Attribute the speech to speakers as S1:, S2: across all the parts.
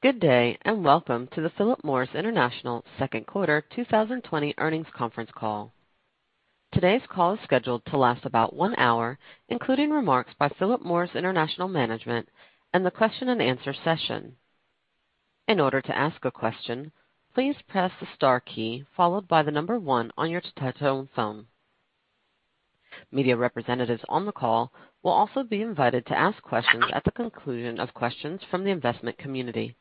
S1: Good day, and welcome to the Philip Morris International second quarter 2020 earnings conference call. Today's call is scheduled to last about one hour, including remarks by Philip Morris International Management and the question and answer session. In order to ask a question, please press the star key followed by the number 1 on your telephone. Media representatives on the call will also be invited to ask questions at the conclusion of questions from the investment community.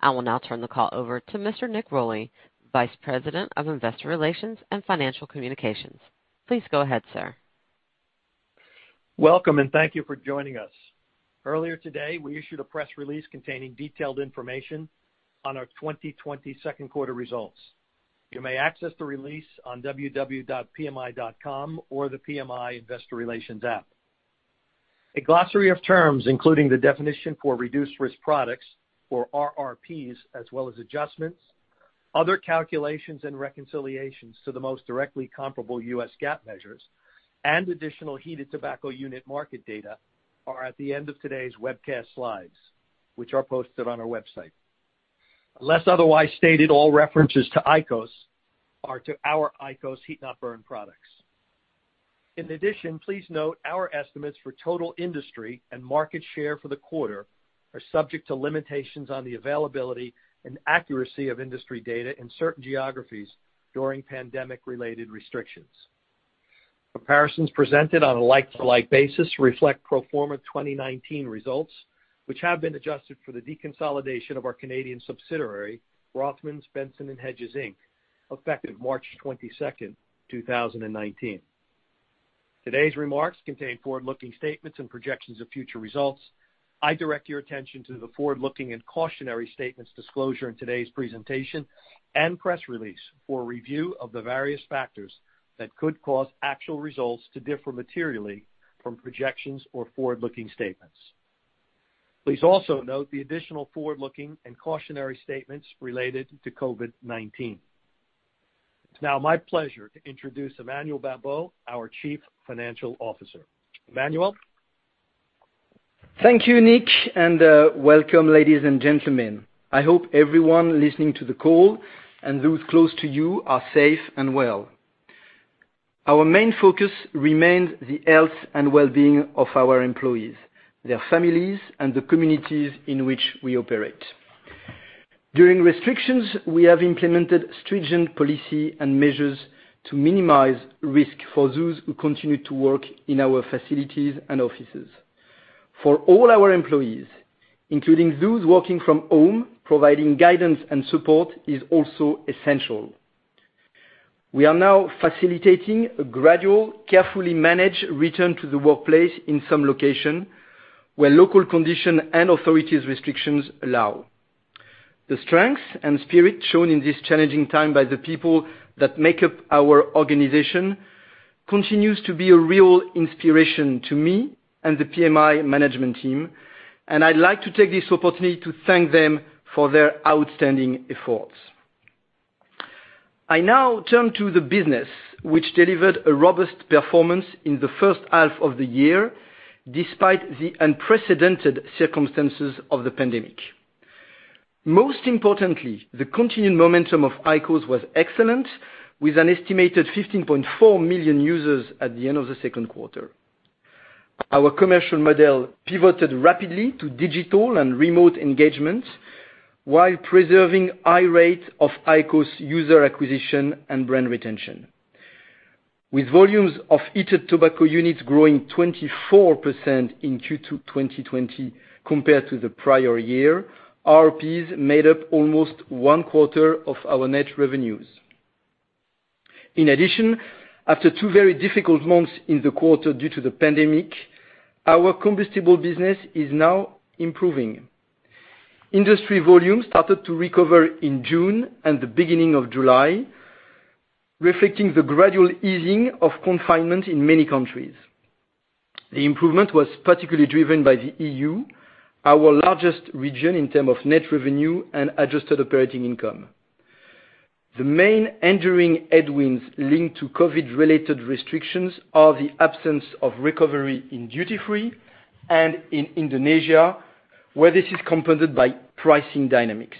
S1: I will now turn the call over to Mr. Nicholas Rolli, Vice President of Investor Relations and Financial Communications. Please go ahead, sir.
S2: Welcome, and thank you for joining us. Earlier today, we issued a press release containing detailed information on our 2020 second quarter results. You may access the release on www.pmi.com or the PMI Investor Relations app. A glossary of terms, including the definition for Reduced-Risk Products, or RRPs, as well as adjustments, other calculations, and reconciliations to the most directly comparable US GAAP measures and additional heated tobacco unit market data are at the end of today's webcast slides, which are posted on our website. Unless otherwise stated, all references to IQOS are to our IQOS heat-not-burn products. In addition, please note our estimates for total industry and market share for the quarter are subject to limitations on the availability and accuracy of industry data in certain geographies during pandemic-related restrictions. Comparisons presented on a like-to-like basis reflect pro forma 2019 results, which have been adjusted for the deconsolidation of our Canadian subsidiary, Rothmans, Benson & Hedges Inc., effective March 22nd, 2019. Today's remarks contain forward-looking statements and projections of future results. I direct your attention to the forward-looking and cautionary statements disclosure in today's presentation and press release for a review of the various factors that could cause actual results to differ materially from projections or forward-looking statements. Please also note the additional forward-looking and cautionary statements related to COVID-19. It's now my pleasure to introduce Emmanuel Babeau, our chief financial officer. Emmanuel?
S3: Thank you, Nick, and welcome, ladies and gentlemen. I hope everyone listening to the call and those close to you are safe and well. Our main focus remains the health and well-being of our employees, their families, and the communities in which we operate. During restrictions, we have implemented stringent policy and measures to minimize risk for those who continue to work in our facilities and offices. For all our employees, including those working from home, providing guidance and support is also essential. We are now facilitating a gradual, carefully managed return to the workplace in some locations, where local condition and authorities' restrictions allow. The strength and spirit shown in this challenging time by the people that make up our organization continues to be a real inspiration to me and the PMI management team. I'd like to take this opportunity to thank them for their outstanding efforts. I now turn to the business, which delivered a robust performance in the first half of the year, despite the unprecedented circumstances of the pandemic. Most importantly, the continued momentum of IQOS was excellent, with an estimated 15.4 million users at the end of the second quarter. Our commercial model pivoted rapidly to digital and remote engagements while preserving high rates of IQOS user acquisition and brand retention. With volumes of heated tobacco units growing 24% in Q2 2020 compared to the prior year, RRPs made up almost 1/4 of our net revenues. In addition, after two very difficult months in the quarter due to the pandemic, our combustible business is now improving. Industry volume started to recover in June and the beginning of July, reflecting the gradual easing of confinement in many countries. The improvement was particularly driven by the EU, our largest region in term of net revenue and adjusted operating income. The main enduring headwinds linked to COVID-related restrictions are the absence of recovery in duty free and in Indonesia, where this is compounded by pricing dynamics.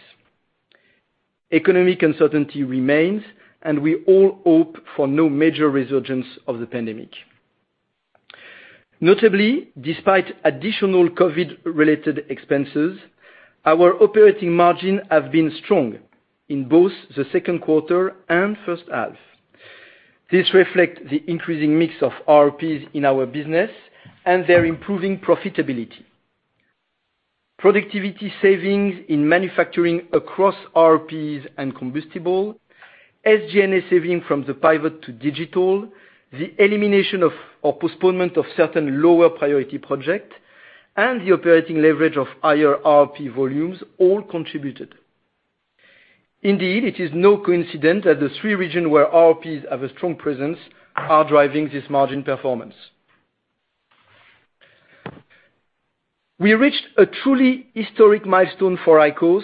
S3: Economic uncertainty remains, and we all hope for no major resurgence of the pandemic. Notably, despite additional COVID-related expenses, our operating margin have been strong in both the second quarter and first half. This reflects the increasing mix of RRPs in our business and their improving profitability. Productivity savings in manufacturing across RRPs and combustible, SG&A saving from the pivot to digital, the elimination or postponement of certain lower priority project, and the operating leverage of higher RRP volumes all contributed. Indeed, it is no coincidence that the three regions where RRPs have a strong presence are driving this margin performance. We reached a truly historic milestone for IQOS,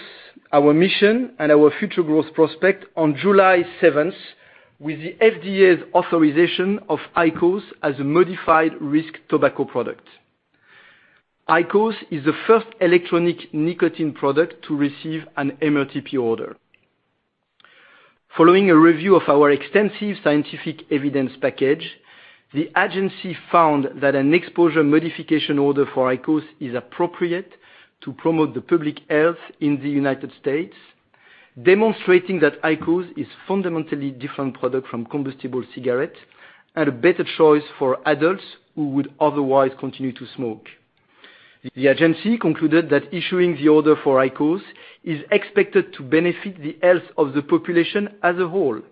S3: our mission, and our future growth prospect on July 7th with the FDA's authorization of IQOS as a Modified Risk Tobacco Product. IQOS is the first electronic nicotine product to receive an MRTP order. Following a review of our extensive scientific evidence package, the agency found that an exposure modification order for IQOS is appropriate to promote the public health in the United States, demonstrating that IQOS is fundamentally different product from combustible cigarettes and a better choice for adults who would otherwise continue to smoke. The agency concluded that issuing the order for IQOS is expected to benefit the health of the population as a whole,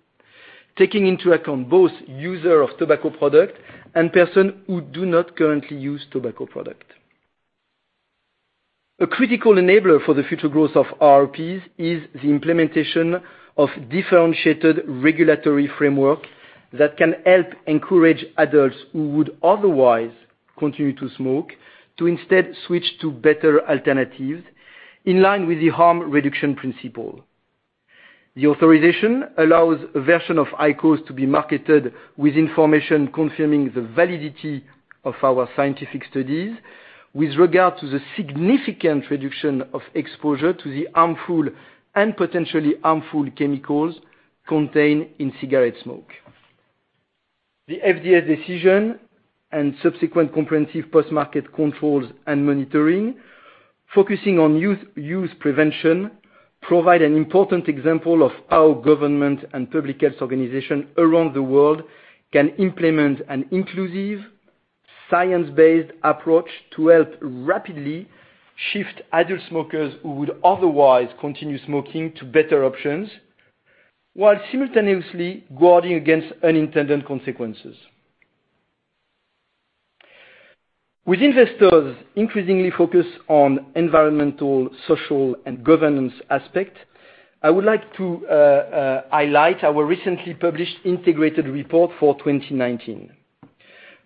S3: taking into account both user of tobacco product and person who do not currently use tobacco product. A critical enabler for the future growth of RRPs is the implementation of differentiated regulatory framework that can help encourage adults who would otherwise continue to smoke, to instead switch to better alternatives in line with the harm reduction principle. The authorization allows a version of IQOS to be marketed with information confirming the validity of our scientific studies with regard to the significant reduction of exposure to the harmful and potentially harmful chemicals contained in cigarette smoke. The FDA's decision and subsequent comprehensive post-market controls and monitoring focusing on youth use prevention provide an important example of how government and public health organization around the world can implement an inclusive, science-based approach to help rapidly shift adult smokers who would otherwise continue smoking to better options while simultaneously guarding against unintended consequences. With investors increasingly focused on environmental, social, and governance aspects, I would like to highlight our recently published integrated report for 2019.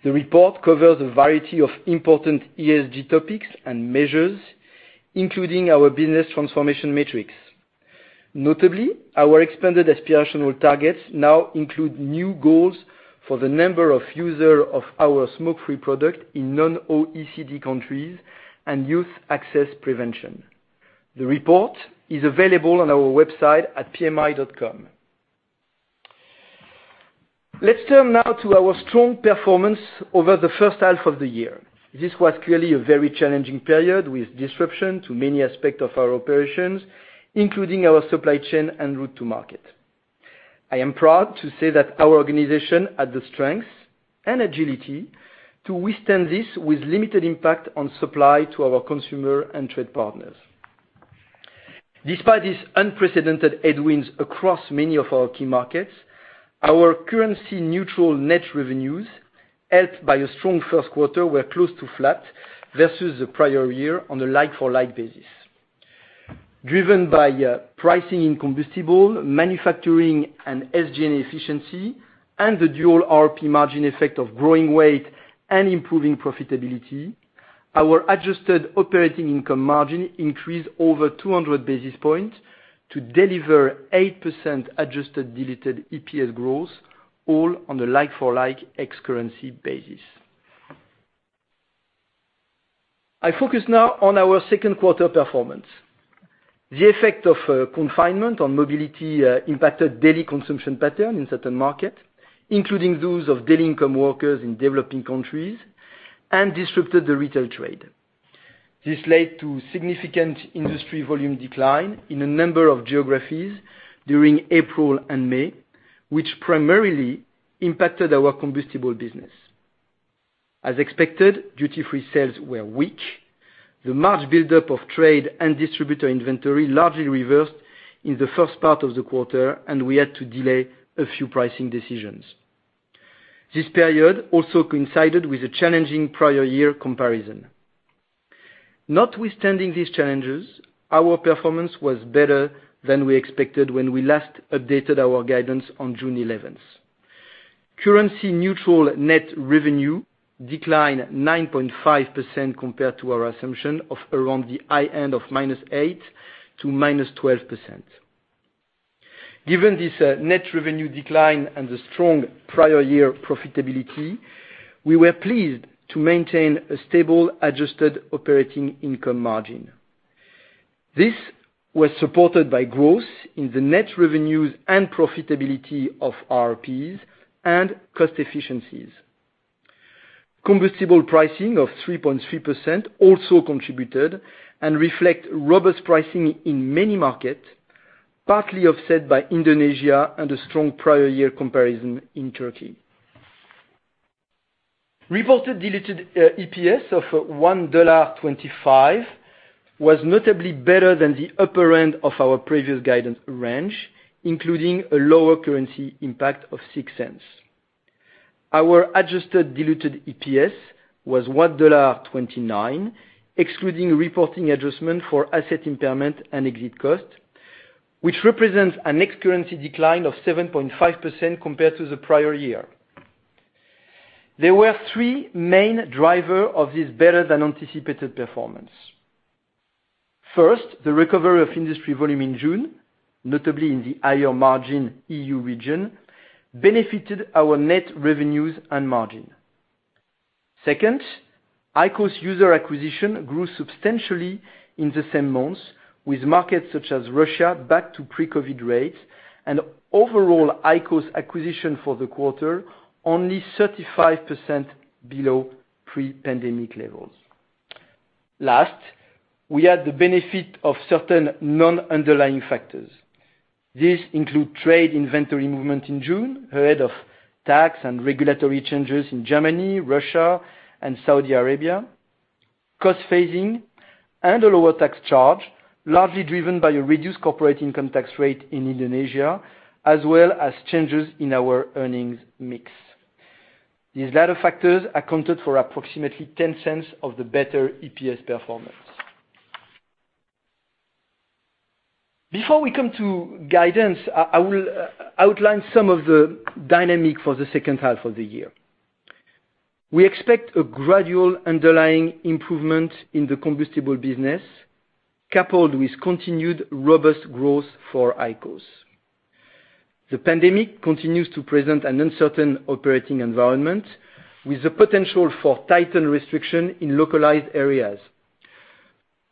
S3: The report covers a variety of important ESG topics and measures, including our business transformation matrix. Notably, our expanded aspirational targets now include new goals for the number of users of our smoke-free product in non-OECD countries and youth access prevention. The report is available on our website at pmi.com. Let's turn now to our strong performance over the first half of the year. This was clearly a very challenging period with disruption to many aspects of our operations, including our supply chain and route to market. I am proud to say that our organization had the strength and agility to withstand this with limited impact on supply to our consumer and trade partners. Despite these unprecedented headwinds across many of our key markets, our currency neutral net revenues, helped by a strong first quarter, were close to flat versus the prior year on a like-for-like basis. Driven by pricing in combustible, manufacturing, and SG&A efficiency, and the dual RRP margin effect of growing weight and improving profitability, our adjusted operating income margin increased over 200 basis points to deliver 8% adjusted diluted EPS growth all on a like-for-like ex-currency basis. I focus now on our second quarter performance. The effect of confinement on mobility impacted daily consumption pattern in certain market, including those of daily income workers in developing countries, and disrupted the retail trade. This led to significant industry volume decline in a number of geographies during April and May, which primarily impacted our combustible business. As expected, duty-free sales were weak. The March buildup of trade and distributor inventory largely reversed in the first part of the quarter, and we had to delay a few pricing decisions. This period also coincided with a challenging prior year comparison. Notwithstanding these challenges, our performance was better than we expected when we last updated our guidance on June 11th. Currency neutral net revenue declined 9.5% compared to our assumption of around the high end of -8% to -12%. Given this net revenue decline and the strong prior year profitability, we were pleased to maintain a stable adjusted operating income margin. This was supported by growth in the net revenues and profitability of RRPs and cost efficiencies. Combustible pricing of 3.3% also contributed and reflect robust pricing in many markets, partly offset by Indonesia and a strong prior year comparison in Turkey. Reported diluted EPS of $1.25 was notably better than the upper end of our previous guidance range, including a lower currency impact of $0.06. Our adjusted diluted EPS was $1.29, excluding reporting adjustment for asset impairment and exit cost, which represents an ex-currency decline of 7.5% compared to the prior year. There were three main driver of this better than anticipated performance. First, the recovery of industry volume in June, notably in the higher margin EU region, benefited our net revenues and margin. Second, IQOS user acquisition grew substantially in the same months, with markets such as Russia back to pre-COVID rates and overall IQOS acquisition for the quarter only 35% below pre-pandemic levels. Last, we had the benefit of certain non-underlying factors. This include trade inventory movement in June ahead of tax and regulatory changes in Germany, Russia and Saudi Arabia, cost phasing and a lower tax charge, largely driven by a reduced corporate income tax rate in Indonesia, as well as changes in our earnings mix. These latter factors accounted for approximately $0.10 of the better EPS performance. Before we come to guidance, I will outline some of the dynamic for the second half of the year. We expect a gradual underlying improvement in the combustible business, coupled with continued robust growth for IQOS. The pandemic continues to present an uncertain operating environment, with the potential for tightened restriction in localized areas.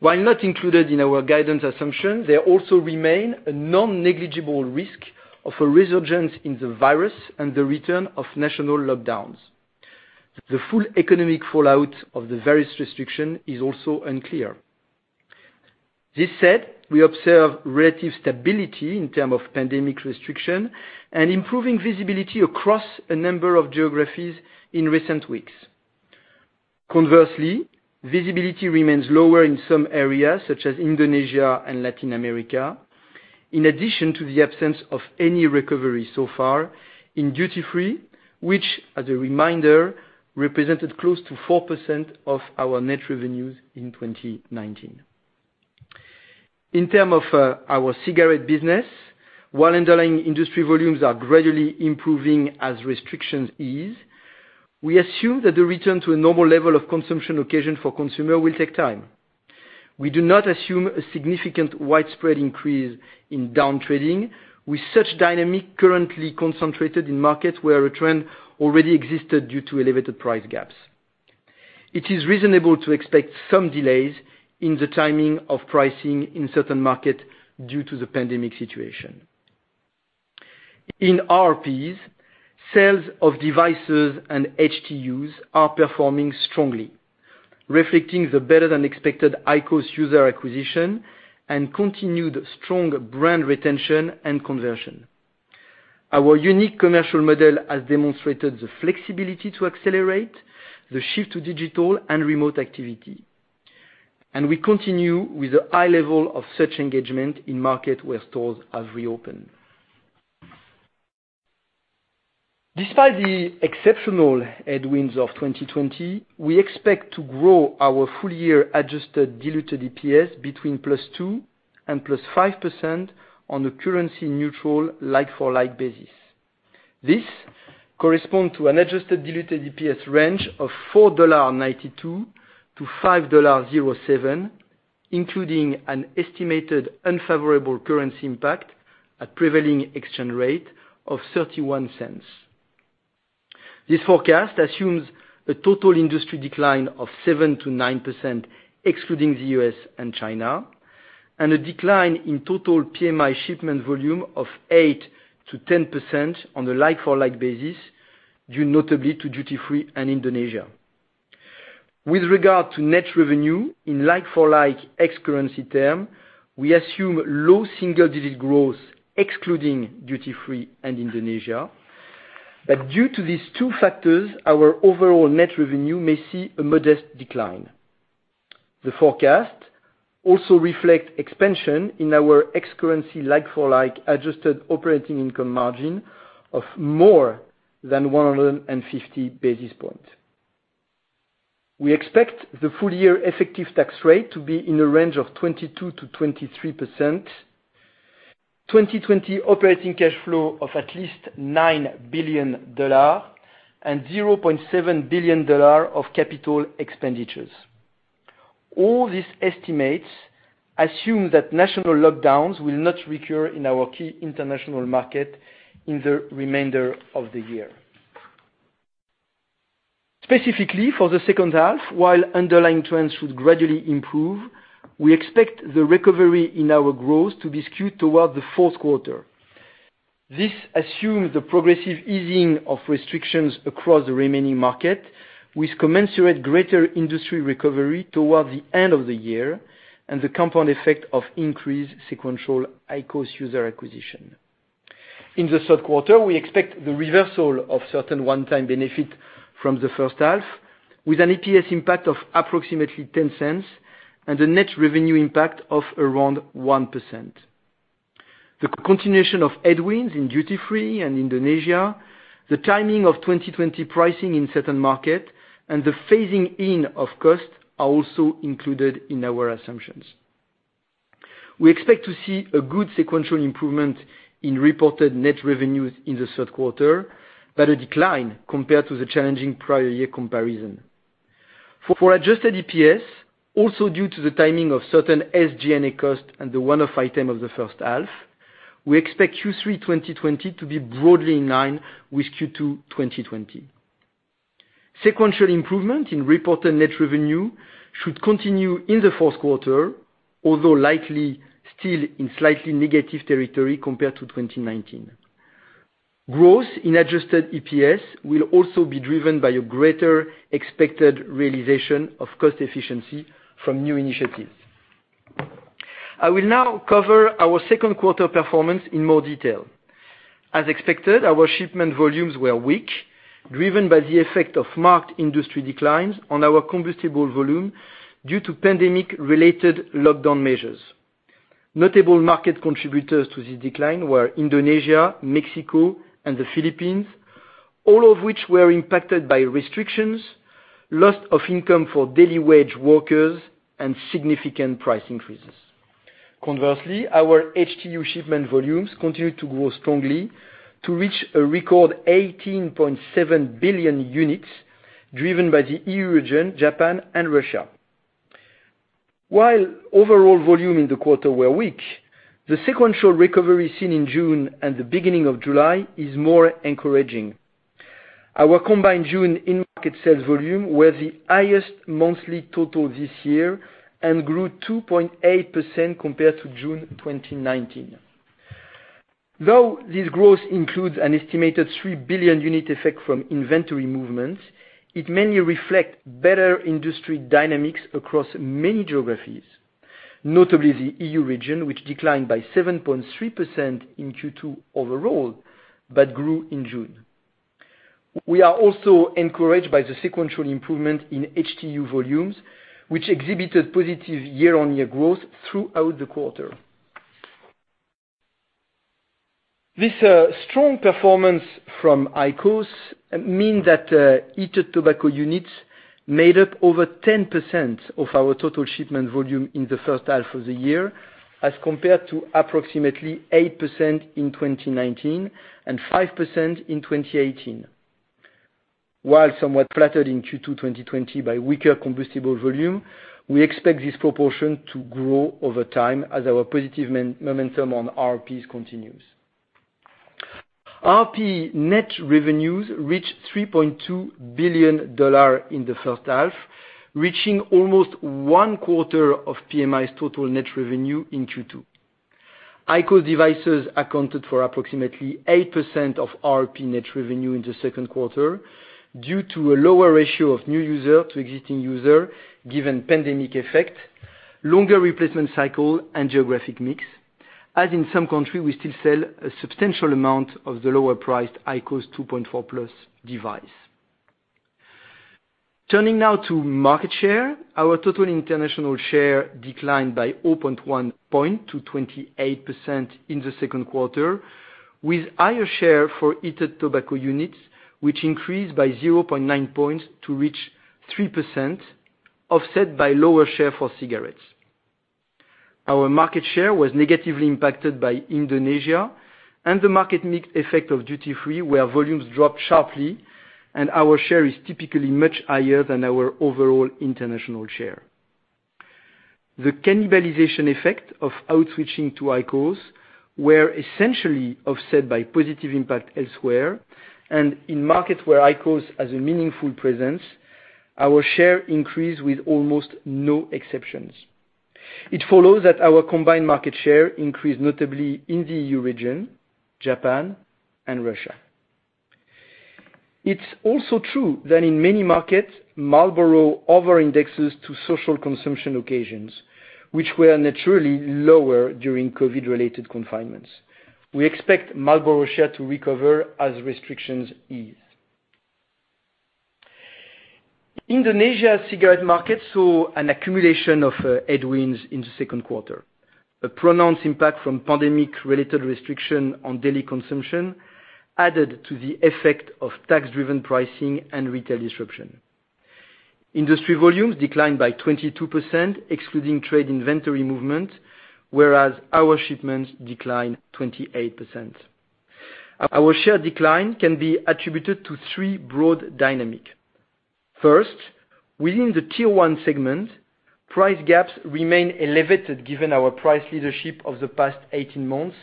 S3: While not included in our guidance assumption, there also remain a non-negligible risk of a resurgence in the virus and the return of national lockdowns. The full economic fallout of the various restriction is also unclear. This said, we observe relative stability in terms of pandemic restriction and improving visibility across a number of geographies in recent weeks. Conversely, visibility remains lower in some areas, such as Indonesia and Latin America, in addition to the absence of any recovery so far in duty-free, which, as a reminder, represented close to 4% of our net revenues in 2019. In terms of our cigarette business, while underlying industry volumes are gradually improving as restrictions ease, we assume that the return to a normal level of consumption occasion for consumers will take time. We do not assume a significant widespread increase in down trading with such dynamic currently concentrated in markets where a trend already existed due to elevated price gaps. It is reasonable to expect some delays in the timing of pricing in certain markets due to the pandemic situation. In RRPs, sales of devices and HTUs are performing strongly, reflecting the better than expected IQOS user acquisition and continued strong brand retention and conversion. Our unique commercial model has demonstrated the flexibility to accelerate the shift to digital and remote activity. We continue with a high level of such engagement in market where stores have reopened. Despite the exceptional headwinds of 2020, we expect to grow our full year adjusted diluted EPS between +2% and +5% on a currency neutral like-for-like basis. This correspond to an adjusted diluted EPS range of $4.92 to $5.07, including an estimated unfavorable currency impact at prevailing exchange rate of $0.31. This forecast assumes a total industry decline of 7%-9%, excluding the U.S. and China, and a decline in total PMI shipment volume of 8%-10% on a like-for-like basis, due notably to duty-free and Indonesia. With regard to net revenue in like-for-like ex-currency term, we assume low single-digit growth, excluding duty-free and Indonesia. Due to these two factors, our overall net revenue may see a modest decline. The forecast also reflect expansion in our ex-currency like-for-like adjusted operating income margin of more than 150 basis points. We expect the full year effective tax rate to be in the range of 22%-23%, 2020 operating cash flow of at least $9 billion and $0.7 billion of capital expenditures. All these estimates assume that national lockdowns will not recur in our key international market in the remainder of the year. Specifically for the second half, while underlying trends should gradually improve, we expect the recovery in our growth to be skewed towards the fourth quarter. This assumes the progressive easing of restrictions across the remaining market, with commensurate greater industry recovery towards the end of the year and the compound effect of increased sequential IQOS user acquisition. In the third quarter, we expect the reversal of certain one-time benefit from the first half with an EPS impact of approximately $0.10 and a net revenue impact of around 1%. The continuation of headwinds in duty-free and Indonesia, the timing of 2020 pricing in certain market and the phasing in of costs are also included in our assumptions. We expect to see a good sequential improvement in reported net revenues in the third quarter, but a decline compared to the challenging prior year comparison. For adjusted EPS, also due to the timing of certain SG&A cost and the one-off item of the first half, we expect Q3 2020 to be broadly in line with Q2 2020. Sequential improvement in reported net revenue should continue in the fourth quarter, although likely still in slightly negative territory compared to 2019. Growth in adjusted EPS will also be driven by a greater expected realization of cost efficiency from new initiatives. I will now cover our second quarter performance in more detail. As expected, our shipment volumes were weak, driven by the effect of marked industry declines on our combustible volume due to pandemic-related lockdown measures. Notable market contributors to this decline were Indonesia, Mexico, and the Philippines, all of which were impacted by restrictions, loss of income for daily wage workers, and significant price increases. Conversely, our HTU shipment volumes continued to grow strongly to reach a record 18.7 billion units driven by the EU region, Japan, and Russia. While overall volume in the quarter were weak, the sequential recovery seen in June and the beginning of July is more encouraging. Our combined June in-market sales volume were the highest monthly total this year and grew 2.8% compared to June 2019. Though this growth includes an estimated 3 billion unit effect from inventory movements, it mainly reflect better industry dynamics across many geographies. Notably the EU region, which declined by 7.3% in Q2 overall, but grew in June. We are also encouraged by the sequential improvement in HTU volumes, which exhibited positive year-on-year growth throughout the quarter. This strong performance from IQOS mean that heated tobacco units made up over 10% of our total shipment volume in the first half of the year, as compared to approximately 8% in 2019 and 5% in 2018. While somewhat flattered in Q2 2020 by weaker combustible volume, we expect this proportion to grow over time as our positive momentum on RRPs continues. RRP net revenues reached $3.2 billion in the first half, reaching almost one quarter of PMI's total net revenue in Q2. IQOS devices accounted for approximately 8% of RRP net revenue in the second quarter due to a lower ratio of new user to existing user given pandemic effect, longer replacement cycle, and geographic mix, as in some country we still sell a substantial amount of the lower priced IQOS 2.4+ device. Turning now to market share. Our total international share declined by 0.1 point to 28% in the second quarter, with higher share for heated tobacco units, which increased by 0.9 points to reach 3%, offset by lower share for cigarettes. Our market share was negatively impacted by Indonesia and the market mix effect of duty free, where volumes dropped sharply and our share is typically much higher than our overall international share. The cannibalization effect of switching to IQOS were essentially offset by positive impact elsewhere, and in markets where IQOS has a meaningful presence, our share increased with almost no exceptions. It follows that our combined market share increased, notably in the EU region, Japan, and Russia. It's also true that in many markets, Marlboro over-indexes to social consumption occasions, which were naturally lower during COVID-related confinements. We expect Marlboro share to recover as restrictions ease. Indonesia cigarette market saw an accumulation of headwinds in the second quarter. A pronounced impact from pandemic-related restriction on daily consumption added to the effect of tax-driven pricing and retail disruption. Industry volumes declined by 22%, excluding trade inventory movement, whereas our shipments declined 28%. Our share decline can be attributed to three broad dynamic. First, within the tier 1 segment, price gaps remain elevated given our price leadership of the past 18 months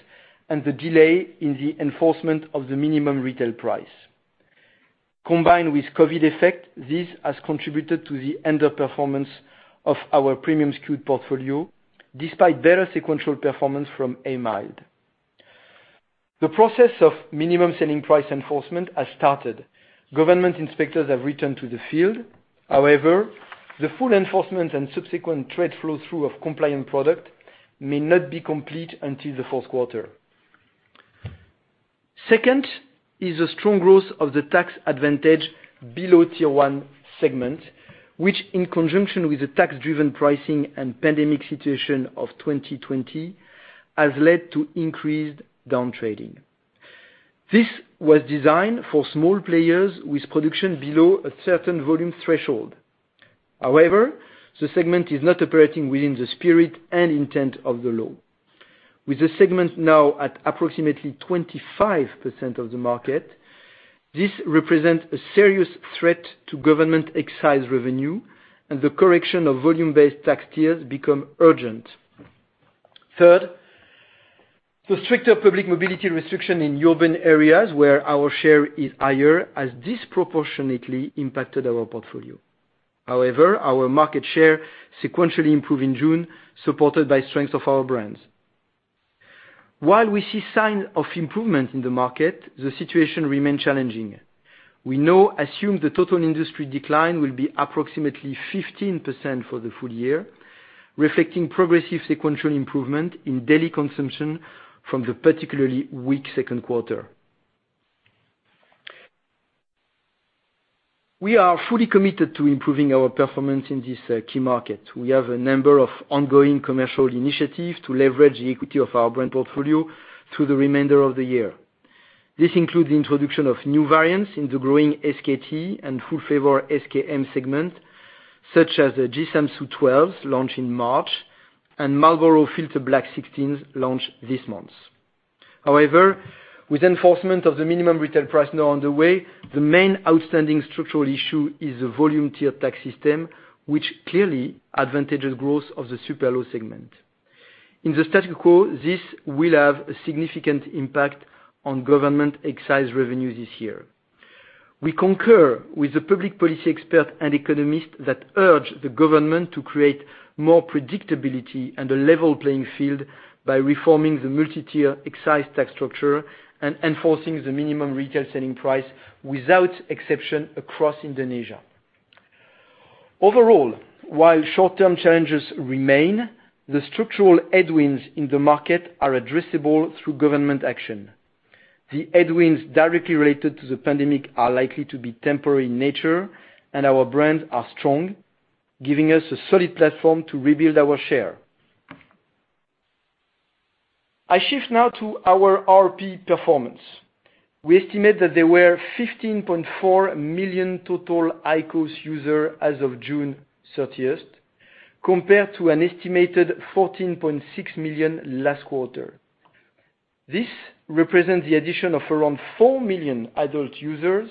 S3: and the delay in the enforcement of the minimum retail price. Combined with COVID effect, this has contributed to the underperformance of our premium skewed portfolio, despite better sequential performance from A Mild. The process of minimum selling price enforcement has started. Government inspectors have returned to the field. However, the full enforcement and subsequent trade flow through of compliant product may not be complete until the fourth quarter. Second is a strong growth of the tax advantage below tier 1 segment, which, in conjunction with the tax-driven pricing and COVID-19 situation of 2020, has led to increased down trading. This was designed for small players with production below a certain volume threshold. However, the segment is not operating within the spirit and intent of the law. With the segment now at approximately 25% of the market, this represents a serious threat to government excise revenue and the correction of volume-based tax tiers become urgent. Third, the stricter public mobility restriction in urban areas where our share is higher has disproportionately impacted our portfolio. However, our market share sequentially improved in June, supported by strength of our brands. While we see signs of improvement in the market, the situation remains challenging. We now assume the total industry decline will be approximately 15% for the full year, reflecting progressive sequential improvement in daily consumption from the particularly weak second quarter. We are fully committed to improving our performance in this key market. We have a number of ongoing commercial initiatives to leverage the equity of our brand portfolio through the remainder of the year. This includes the introduction of new variants in the growing SKT and full flavor SKM segment, such as the Dji Sam Soe 12 launched in March and Marlboro Filter Black 16's launched this month. However, with enforcement of the minimum retail price now underway, the main outstanding structural issue is the volume tier tax system, which clearly advantages growth of the super low segment. In the status quo, this will have a significant impact on government excise revenue this year. We concur with the public policy expert and economist that urge the government to create more predictability and a level playing field by reforming the multi-tier excise tax structure and enforcing the minimum retail selling price without exception across Indonesia. Overall, while short-term challenges remain, the structural headwinds in the market are addressable through government action. The headwinds directly related to the pandemic are likely to be temporary in nature and our brands are strong, giving us a solid platform to rebuild our share. I shift now to our RRP performance. We estimate that there were 15.4 million total IQOS users as of June 30th, compared to an estimated 14.6 million last quarter. This represents the addition of around four million adult users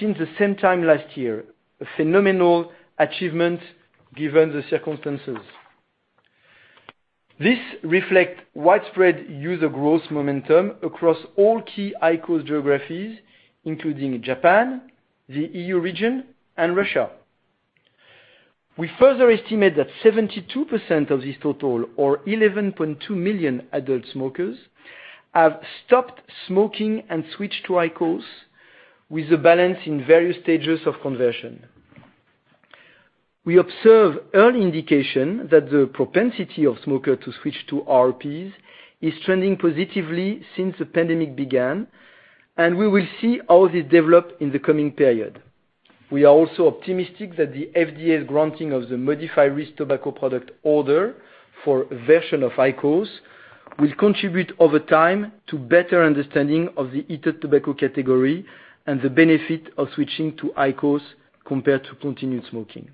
S3: since the same time last year, a phenomenal achievement given the circumstances. This reflects widespread user growth momentum across all key IQOS geographies, including Japan, the EU region and Russia. We further estimate that 72% of this total or 11.2 million adult smokers have stopped smoking and switched to IQOS with a balance in various stages of conversion. We observe early indication that the propensity of smoker to switch to RRPs is trending positively since the pandemic began, and we will see how this develops in the coming period. We are also optimistic that the FDA's granting of the modified risk tobacco product order for a version of IQOS will contribute over time to better understanding of the heated tobacco category and the benefit of switching to IQOS compared to continued smoking.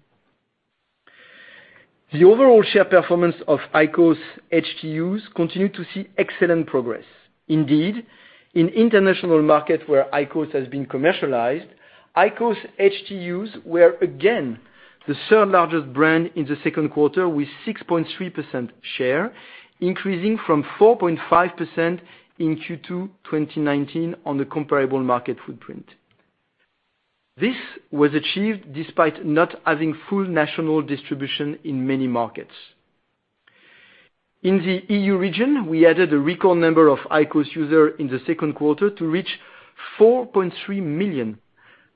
S3: The overall share performance of IQOS HTUs continue to see excellent progress. Indeed, in international markets where IQOS has been commercialized, IQOS HTUs were again the third largest brand in the second quarter with 6.3% share, increasing from 4.5% in Q2 2019 on the comparable market footprint. This was achieved despite not having full national distribution in many markets. In the EU region, we added a record number of IQOS user in the second quarter to reach 4.3 million.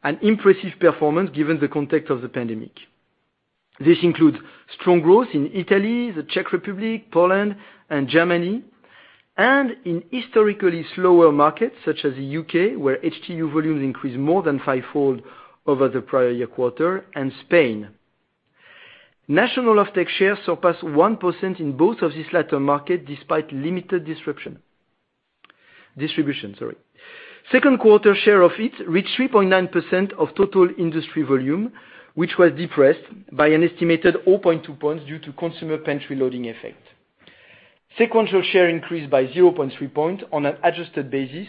S3: An impressive performance given the context of the pandemic. This includes strong growth in Italy, the Czech Republic, Poland and Germany, and in historically slower markets such as the U.K., where HTU volumes increased more than fivefold over the prior year quarter, and Spain. National offtake shares surpassed 1% in both of these latter market despite limited disruption. Distribution, sorry. Second quarter share of HEETS reached 3.9% of total industry volume, which was depressed by an estimated 0.2 points due to consumer pantry loading effect. Sequential share increased by 0.3 point on an adjusted basis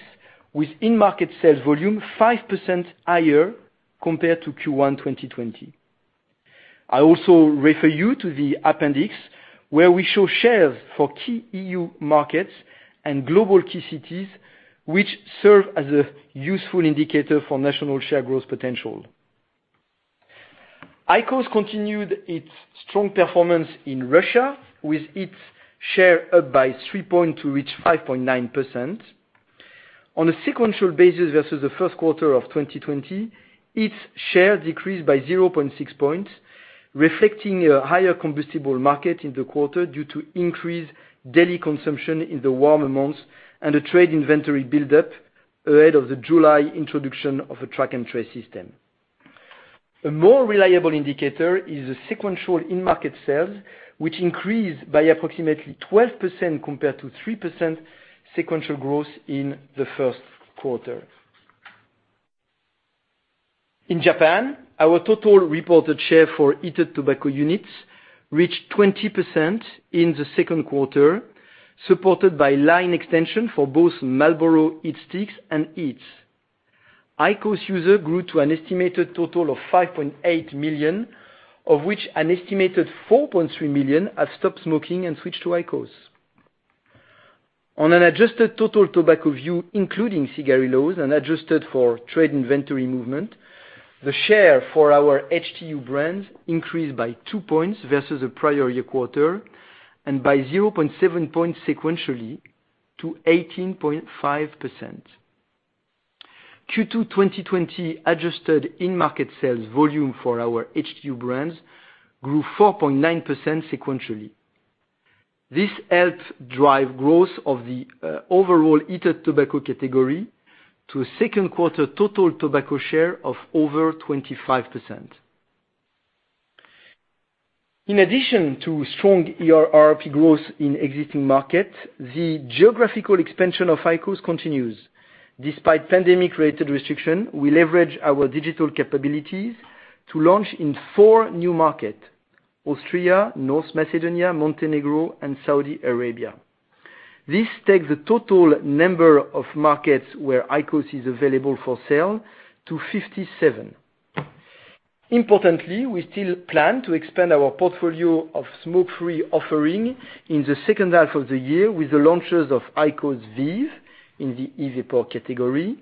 S3: with in-market sales volume 5% higher compared to Q1 2020. I also refer you to the appendix where we show shares for key EU markets and global key cities which serve as a useful indicator for national share growth potential. IQOS continued its strong performance in Russia with its share up by three point to reach 5.9%. On a sequential basis versus the first quarter of 2020, its share decreased by 0.6 points, reflecting a higher combustible market in the quarter due to increased daily consumption in the warmer months and a trade inventory buildup ahead of the July introduction of a track and trace system. A more reliable indicator is the sequential in-market sales, which increased by approximately 12% compared to 3% sequential growth in the first quarter. In Japan, our total reported share for heated tobacco units reached 20% in the second quarter, supported by line extension for both Marlboro HeatSticks and HEETS. IQOS user grew to an estimated total of 5.8 million, of which an estimated 4.3 million have stopped smoking and switched to IQOS. On an adjusted total tobacco view, including cigarillos and adjusted for trade inventory movement, the share for our HTU brands increased by two points versus the prior year quarter, and by 0.7 points sequentially to 18.5%. Q2 2020 adjusted in-market sales volume for our HTU brands grew 4.9% sequentially. This helped drive growth of the overall heated tobacco category to a second quarter total tobacco share of over 25%. In addition to strong RRP growth in existing markets, the geographical expansion of IQOS continues. Despite pandemic-related restriction, we leverage our digital capabilities to launch in four new market: Austria, North Macedonia, Montenegro, and Saudi Arabia. This takes the total number of markets where IQOS is available for sale to 57. Importantly, we still plan to expand our portfolio of smoke-free offering in the second half of the year with the launches of IQOS VEEV in the e-vapor category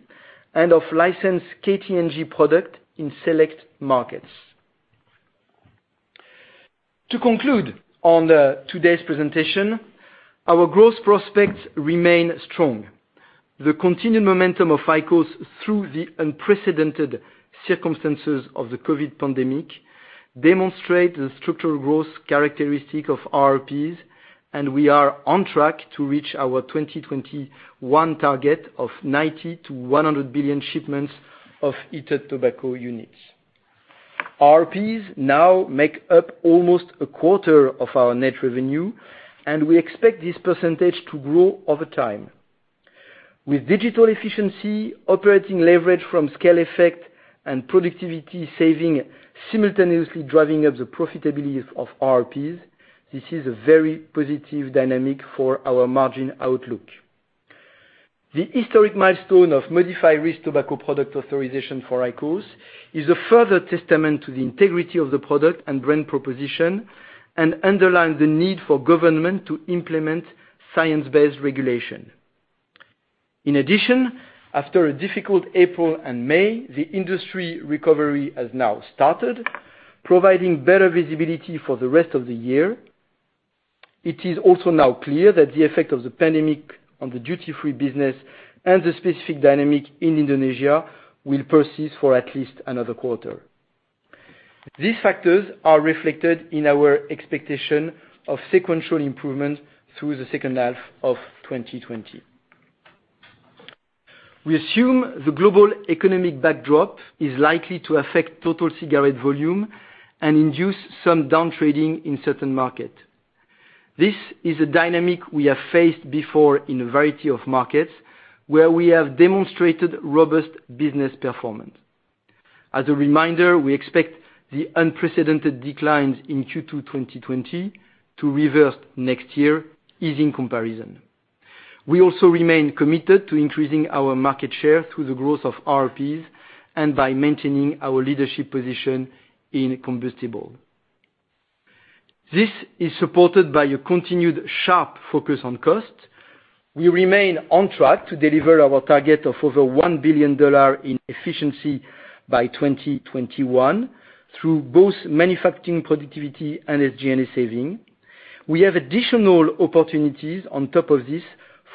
S3: and of licensed KT&G product in select markets. To conclude on today's presentation, our growth prospects remain strong. The continued momentum of IQOS through the unprecedented circumstances of the COVID pandemic demonstrate the structural growth characteristic of RRPs. We are on track to reach our 2021 target of 90 billion-100 billion shipments of heated tobacco units. RRPs now make up almost a quarter of our net revenue. We expect this percentage to grow over time. With digital efficiency, operating leverage from scale effect, and productivity saving simultaneously driving up the profitability of RRPs, this is a very positive dynamic for our margin outlook. The historic milestone of modified risk tobacco product authorization for IQOS is a further testament to the integrity of the product and brand proposition and underlines the need for government to implement science-based regulation. In addition, after a difficult April and May, the industry recovery has now started, providing better visibility for the rest of the year. It is also now clear that the effect of the pandemic on the duty-free business and the specific dynamic in Indonesia will persist for at least another quarter. These factors are reflected in our expectation of sequential improvement through the second half of 2020. We assume the global economic backdrop is likely to affect total cigarette volume and induce some downtrading in certain market. This is a dynamic we have faced before in a variety of markets where we have demonstrated robust business performance. As a reminder, we expect the unprecedented declines in Q2 2020 to reverse next year, easing comparison. We also remain committed to increasing our market share through the growth of RRPs and by maintaining our leadership position in combustible. This is supported by a continued sharp focus on cost. We remain on track to deliver our target of over $1 billion in efficiency by 2021 through both manufacturing productivity and SG&A saving. We have additional opportunities on top of this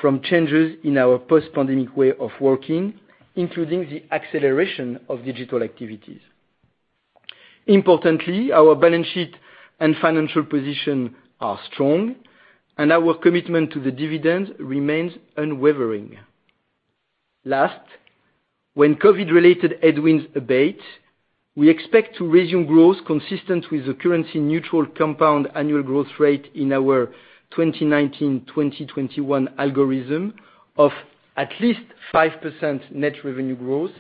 S3: from changes in our post-pandemic way of working, including the acceleration of digital activities. Importantly, our balance sheet and financial position are strong, and our commitment to the dividend remains unwavering. Last, when COVID-related headwinds abate, we expect to resume growth consistent with the currency neutral compound annual growth rate in our 2019-2021 algorithm of at least 5% net revenue growth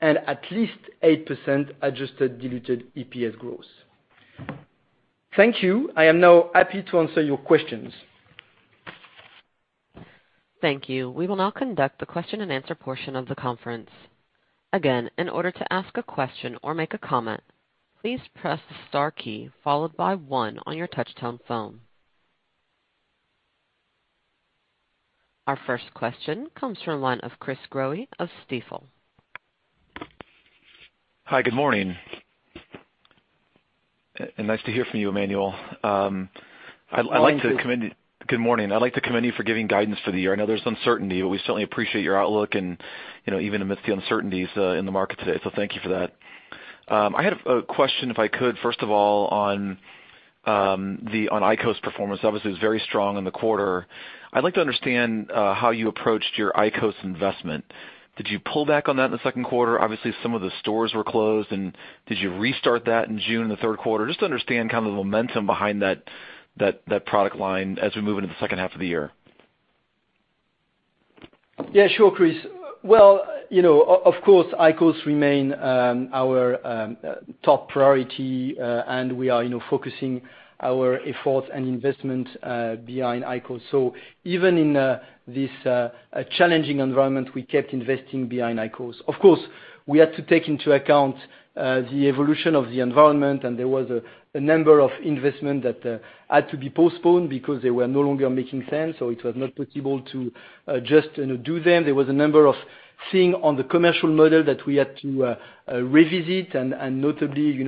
S3: and at least 8% adjusted diluted EPS growth. Thank you. I am now happy to answer your questions.
S1: Thank you. We will now conduct the question and answer portion of the conference. Again, in order to ask a question or make a comment, please press the star key followed by one on your touchtone phone. Our first question comes from the line of Chris Growe of Stifel.
S4: Hi, good morning. Nice to hear from you, Emmanuel.
S3: Good morning to you.
S4: Good morning. I'd like to commend you for giving guidance for the year. I know there's uncertainty, but we certainly appreciate your outlook and even amidst the uncertainties in the market today. Thank you for that. I had a question, if I could, first of all, on IQOS performance, obviously it was very strong in the quarter. I'd like to understand how you approached your IQOS investment. Did you pull back on that in the second quarter? Obviously, some of the stores were closed, did you restart that in June in the third quarter? Just to understand the momentum behind that product line as we move into the second half of the year.
S3: Yeah, sure, Chris. Well, of course, IQOS remain our top priority, and we are focusing our efforts and investment behind IQOS. Even in this challenging environment, we kept investing behind IQOS. Of course, we had to take into account the evolution of the environment, and there was a number of investment that had to be postponed because they were no longer making sense, so it was not possible to just do them. There was a number of things on the commercial model that we had to revisit, and notably,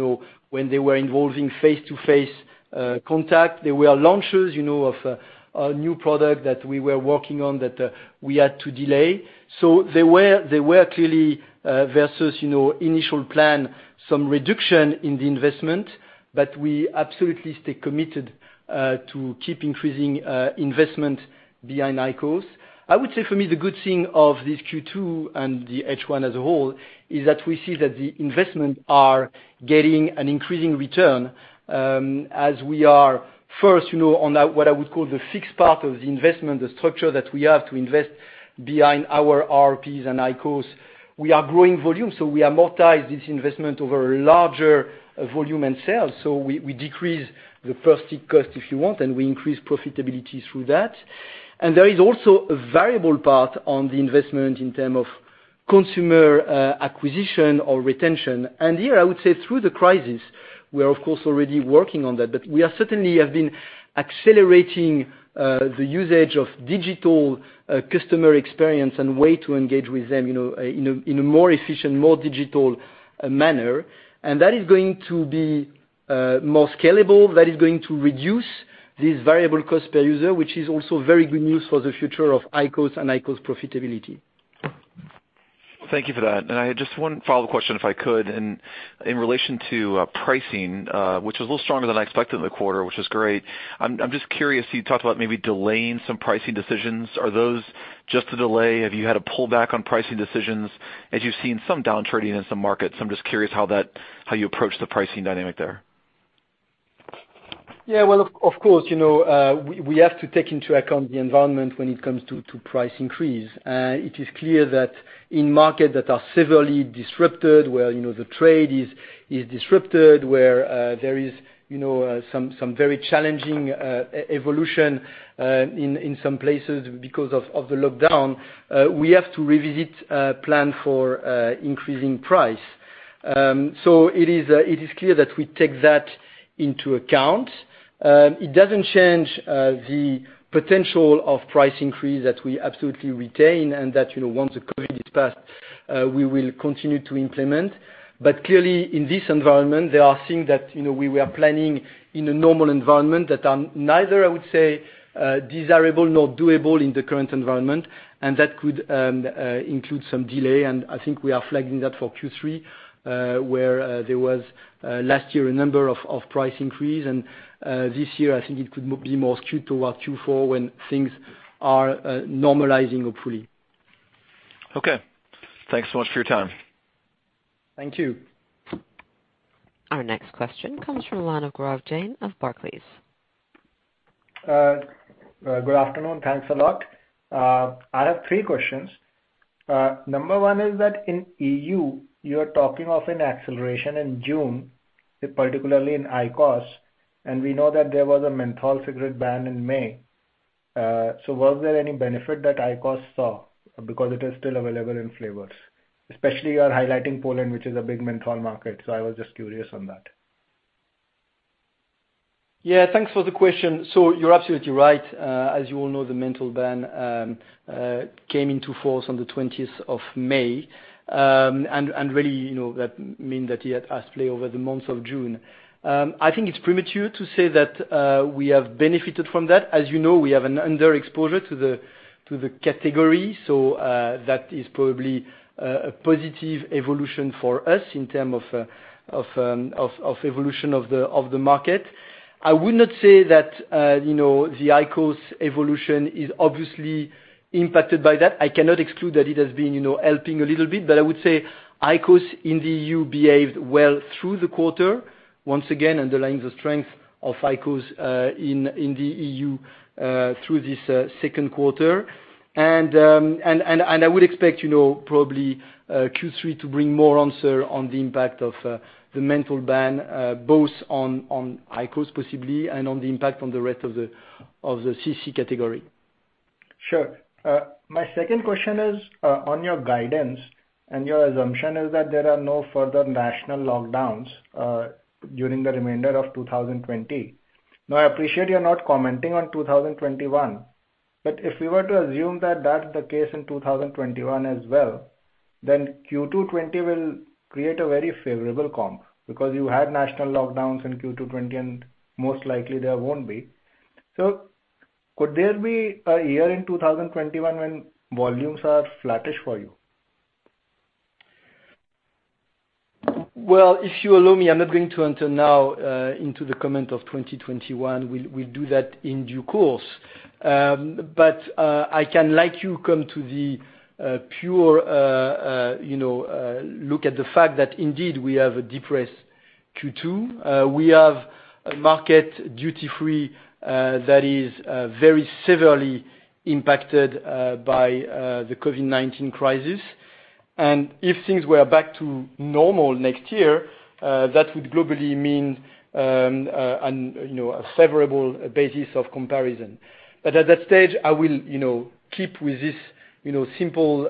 S3: when they were involving face-to-face contact. There were launches of a new product that we were working on that we had to delay. There were clearly, versus initial plan, some reduction in the investment, but we absolutely stay committed to keep increasing investment behind IQOS. I would say for me, the good thing of this Q2 and the H1 as a whole is that we see that the investment are getting an increasing return, as we are first on what I would call the fixed part of the investment, the structure that we have to invest behind our RRPs and IQOS. We are growing volume, so we amortize this investment over a larger volume and sale. We decrease the per stick cost if you want, and we increase profitability through that. There is also a variable part on the investment in term of consumer acquisition or retention. Here, I would say through the crisis, we are, of course, already working on that. We certainly have been accelerating the usage of digital customer experience and way to engage with them in a more efficient, more digital manner. That is going to be more scalable. That is going to reduce this variable cost per user, which is also very good news for the future of IQOS and IQOS profitability.
S4: Thank you for that. I had just one follow-up question, if I could. In relation to pricing, which was a little stronger than I expected in the quarter, which is great. I'm just curious, you talked about maybe delaying some pricing decisions. Are those just a delay? Have you had to pull back on pricing decisions as you've seen some downtrading in some markets? I'm just curious how you approach the pricing dynamic there.
S3: Yeah, well, of course, we have to take into account the environment when it comes to price increase. It is clear that in market that are severely disrupted, where the trade is disrupted, where there is some very challenging evolution in some places because of the lockdown, we have to revisit plan for increasing price. It is clear that we take that into account. It doesn't change the potential of price increase that we absolutely retain, and that once the COVID-19 is passed, we will continue to implement. Clearly, in this environment, there are things that we were planning in a normal environment that are neither, I would say, desirable nor doable in the current environment, and that could include some delay, and I think we are flagging that for Q3, where there was last year a number of price increase. This year, I think it could be more skewed toward Q4 when things are normalizing, hopefully.
S4: Okay. Thanks so much for your time.
S3: Thank you.
S1: Our next question comes from the line of Gaurav Jain of Barclays.
S5: Good afternoon. Thanks a lot. I have three questions. Number one is that in EU, you're talking of an acceleration in June, particularly in IQOS, and we know that there was a menthol cigarette ban in May. Was there any benefit that IQOS saw? It is still available in flavors. Especially, you're highlighting Poland, which is a big menthol market. I was just curious on that.
S3: Yeah, thanks for the question. You're absolutely right. As you all know, the menthol ban came into force on the 20th of May. Really, that mean that it has play over the month of June. I think it's premature to say that we have benefited from that. As you know, we have an underexposure to the category, that is probably a positive evolution for us in term of evolution of the market. I would not say that the IQOS evolution is obviously impacted by that. I cannot exclude that it has been helping a little bit. I would say IQOS in the EU behaved well through the quarter, once again, underlying the strength of IQOS in the EU through this second quarter. I would expect probably Q3 to bring more answer on the impact of the menthol ban, both on IQOS possibly, and on the impact on the rest of the CC category.
S5: Sure. My second question is on your guidance. Your assumption is that there are no further national lockdowns during the remainder of 2020. I appreciate you're not commenting on 2021. If we were to assume that that's the case in 2021 as well, Q2 '20 will create a very favorable comp because you had national lockdowns in Q2 '20, and most likely there won't be. Could there be a year in 2021 when volumes are flattish for you?
S3: Well, if you allow me, I'm not going to enter now into the comment of 2021. We'll do that in due course. I can, like you, come to the pure look at the fact that indeed, we have a depressed Q2. We have a market duty free that is very severely impacted by the COVID-19 crisis. If things were back to normal next year, that would globally mean a favorable basis of comparison. At that stage, I will keep with this simple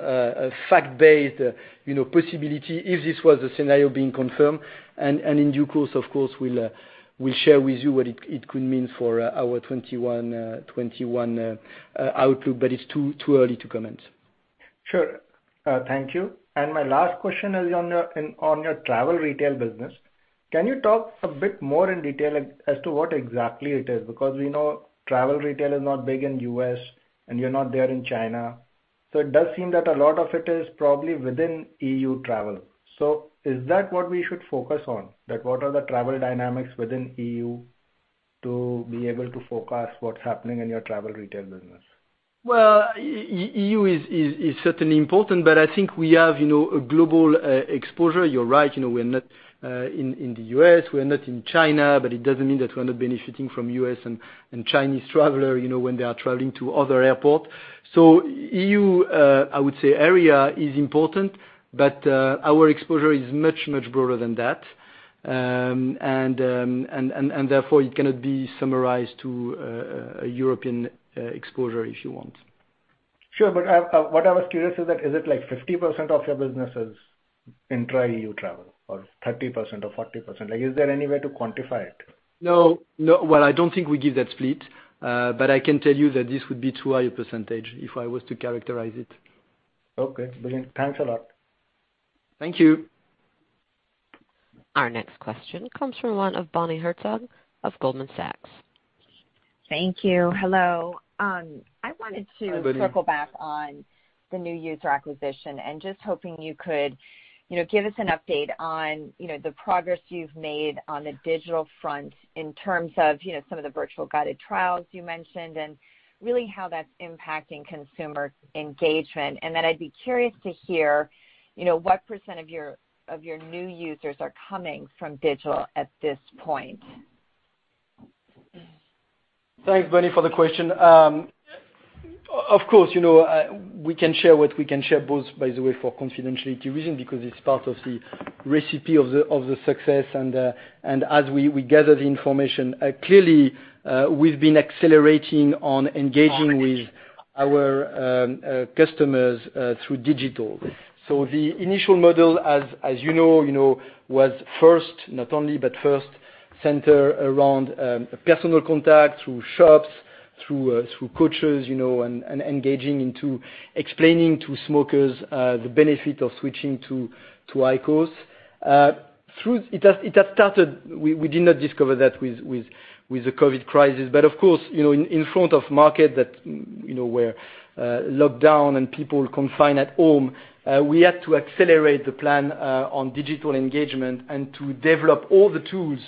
S3: fact-based possibility, if this was a scenario being confirmed. In due course, of course, we'll share with you what it could mean for our 2021 outlook. It's too early to comment.
S5: Sure. Thank you. My last question is on your travel retail business. Can you talk a bit more in detail as to what exactly it is? We know travel retail is not big in the U.S., and you're not there in China. It does seem that a lot of it is probably within EU travel. Is that what we should focus on? What are the travel dynamics within EU to be able to forecast what's happening in your travel retail business?
S3: Well, EU is certainly important, but I think we have a global exposure. You're right, we're not in the U.S., we're not in China, but it doesn't mean that we're not benefiting from U.S. and Chinese traveler when they are traveling to other airport. EU, I would say, area is important, but our exposure is much, much broader than that. Therefore, it cannot be summarized to a European exposure if you want.
S5: Sure. What I was curious is that, is it like 50% of your business is intra-EU travel or 30% or 40%? Is there any way to quantify it?
S3: No. Well, I don't think we give that split. I can tell you that this would be too high a percentage if I was to characterize it.
S5: Okay. Brilliant. Thanks a lot.
S3: Thank you.
S1: Our next question comes from one of Bonnie Herzog of Goldman Sachs.
S6: Thank you. Hello.
S3: Hi, Bonnie.
S6: I wanted to circle back on the new user acquisition and just hoping you could give us an update on the progress you've made on the digital front in terms of some of the virtual guided trials you mentioned and really how that's impacting consumer engagement. I'd be curious to hear what % of your new users are coming from digital at this point?
S3: Thanks, Bonnie, for the question. Of course, we can share what we can share, both, by the way, for confidentiality reason, because it's part of the recipe of the success and as we gather the information. Clearly, we've been accelerating on engaging with our customers through digital. The initial model, as you know, was first, not only, but first centered around personal contact through shops, through coaches and engaging into explaining to smokers the benefit of switching to IQOS. It had started, we did not discover that with the COVID crisis. Of course, in front of market where lockdown and people confine at home, we had to accelerate the plan on digital engagement and to develop all the tools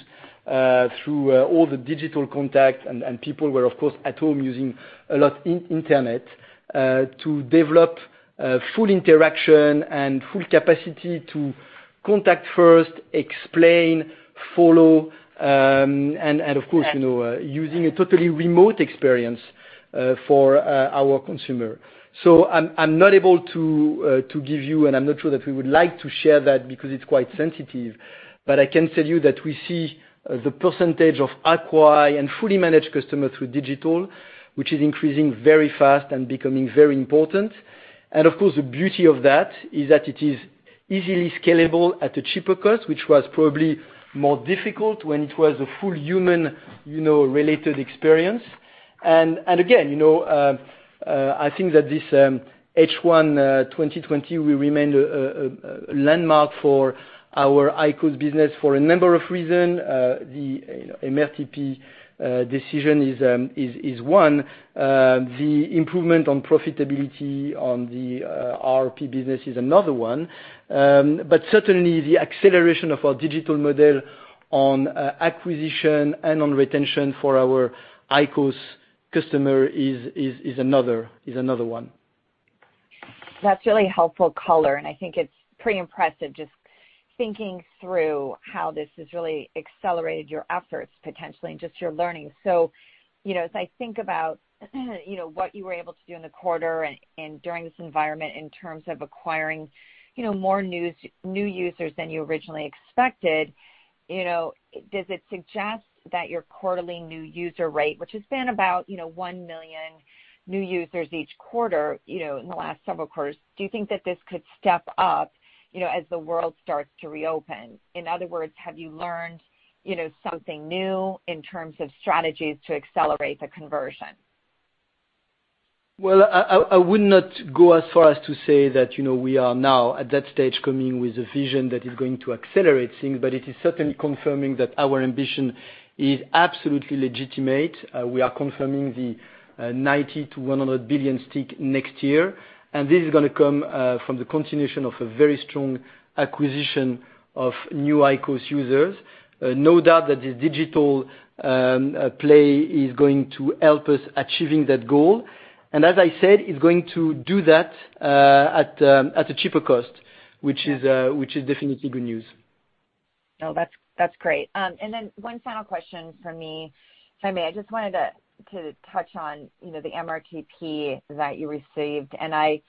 S3: through all the digital contact. People were, of course, at home using a lot internet to develop full interaction and full capacity to contact first, explain, follow, and of course, using a totally remote experience for our consumer. I'm not able to give you, and I'm not sure that we would like to share that because it's quite sensitive. I can tell you that we see the percentage of acquire and fully managed customer through digital, which is increasing very fast and becoming very important. Of course, the beauty of that is that it is easily scalable at a cheaper cost, which was probably more difficult when it was a full human related experience. Again, I think that this H1 2020 will remain a landmark for our IQOS business for a number of reason. The MRTP decision is one. The improvement on profitability on the RRP business is another one. Certainly, the acceleration of our digital model on acquisition and on retention for our IQOS customer is another one.
S6: That's really helpful color, and I think it's pretty impressive just thinking through how this has really accelerated your efforts, potentially, and just your learning. As I think about what you were able to do in the quarter and during this environment in terms of acquiring more new users than you originally expected, does it suggest that your quarterly new user rate, which has been about 1 million new users each quarter in the last several quarters, do you think that this could step up as the world starts to reopen? In other words, have you learned something new in terms of strategies to accelerate the conversion?
S3: I would not go as far as to say that we are now at that stage, coming with a vision that is going to accelerate things, but it is certainly confirming that our ambition is absolutely legitimate. We are confirming the 90 billion-100 billion stick next year, this is going to come from the continuation of a very strong acquisition of new IQOS users. No doubt that the digital play is going to help us achieving that goal. As I said, it's going to do that at a cheaper cost, which is definitely good news.
S6: No, that's great. One final question from me, if I may. I just wanted to touch on the MRTP that you received, and I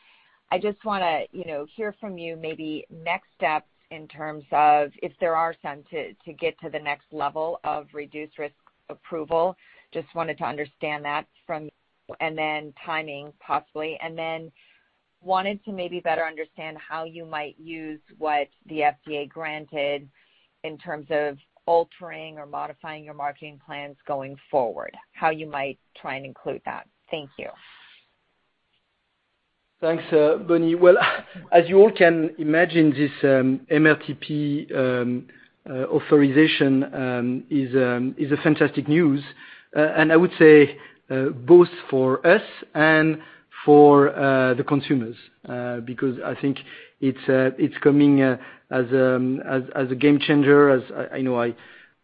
S6: just want to hear from you maybe next steps in terms of, if there are some, to get to the next level of reduced risk approval. Just wanted to understand that from you, and then timing possibly. Wanted to maybe better understand how you might use what the FDA granted in terms of altering or modifying your marketing plans going forward, how you might try and include that. Thank you.
S3: Thanks, Bonnie. Well, as you all can imagine, this MRTP authorization is a fantastic news. I would say both for us and for the consumers, because I think it's coming as a game changer. As you know,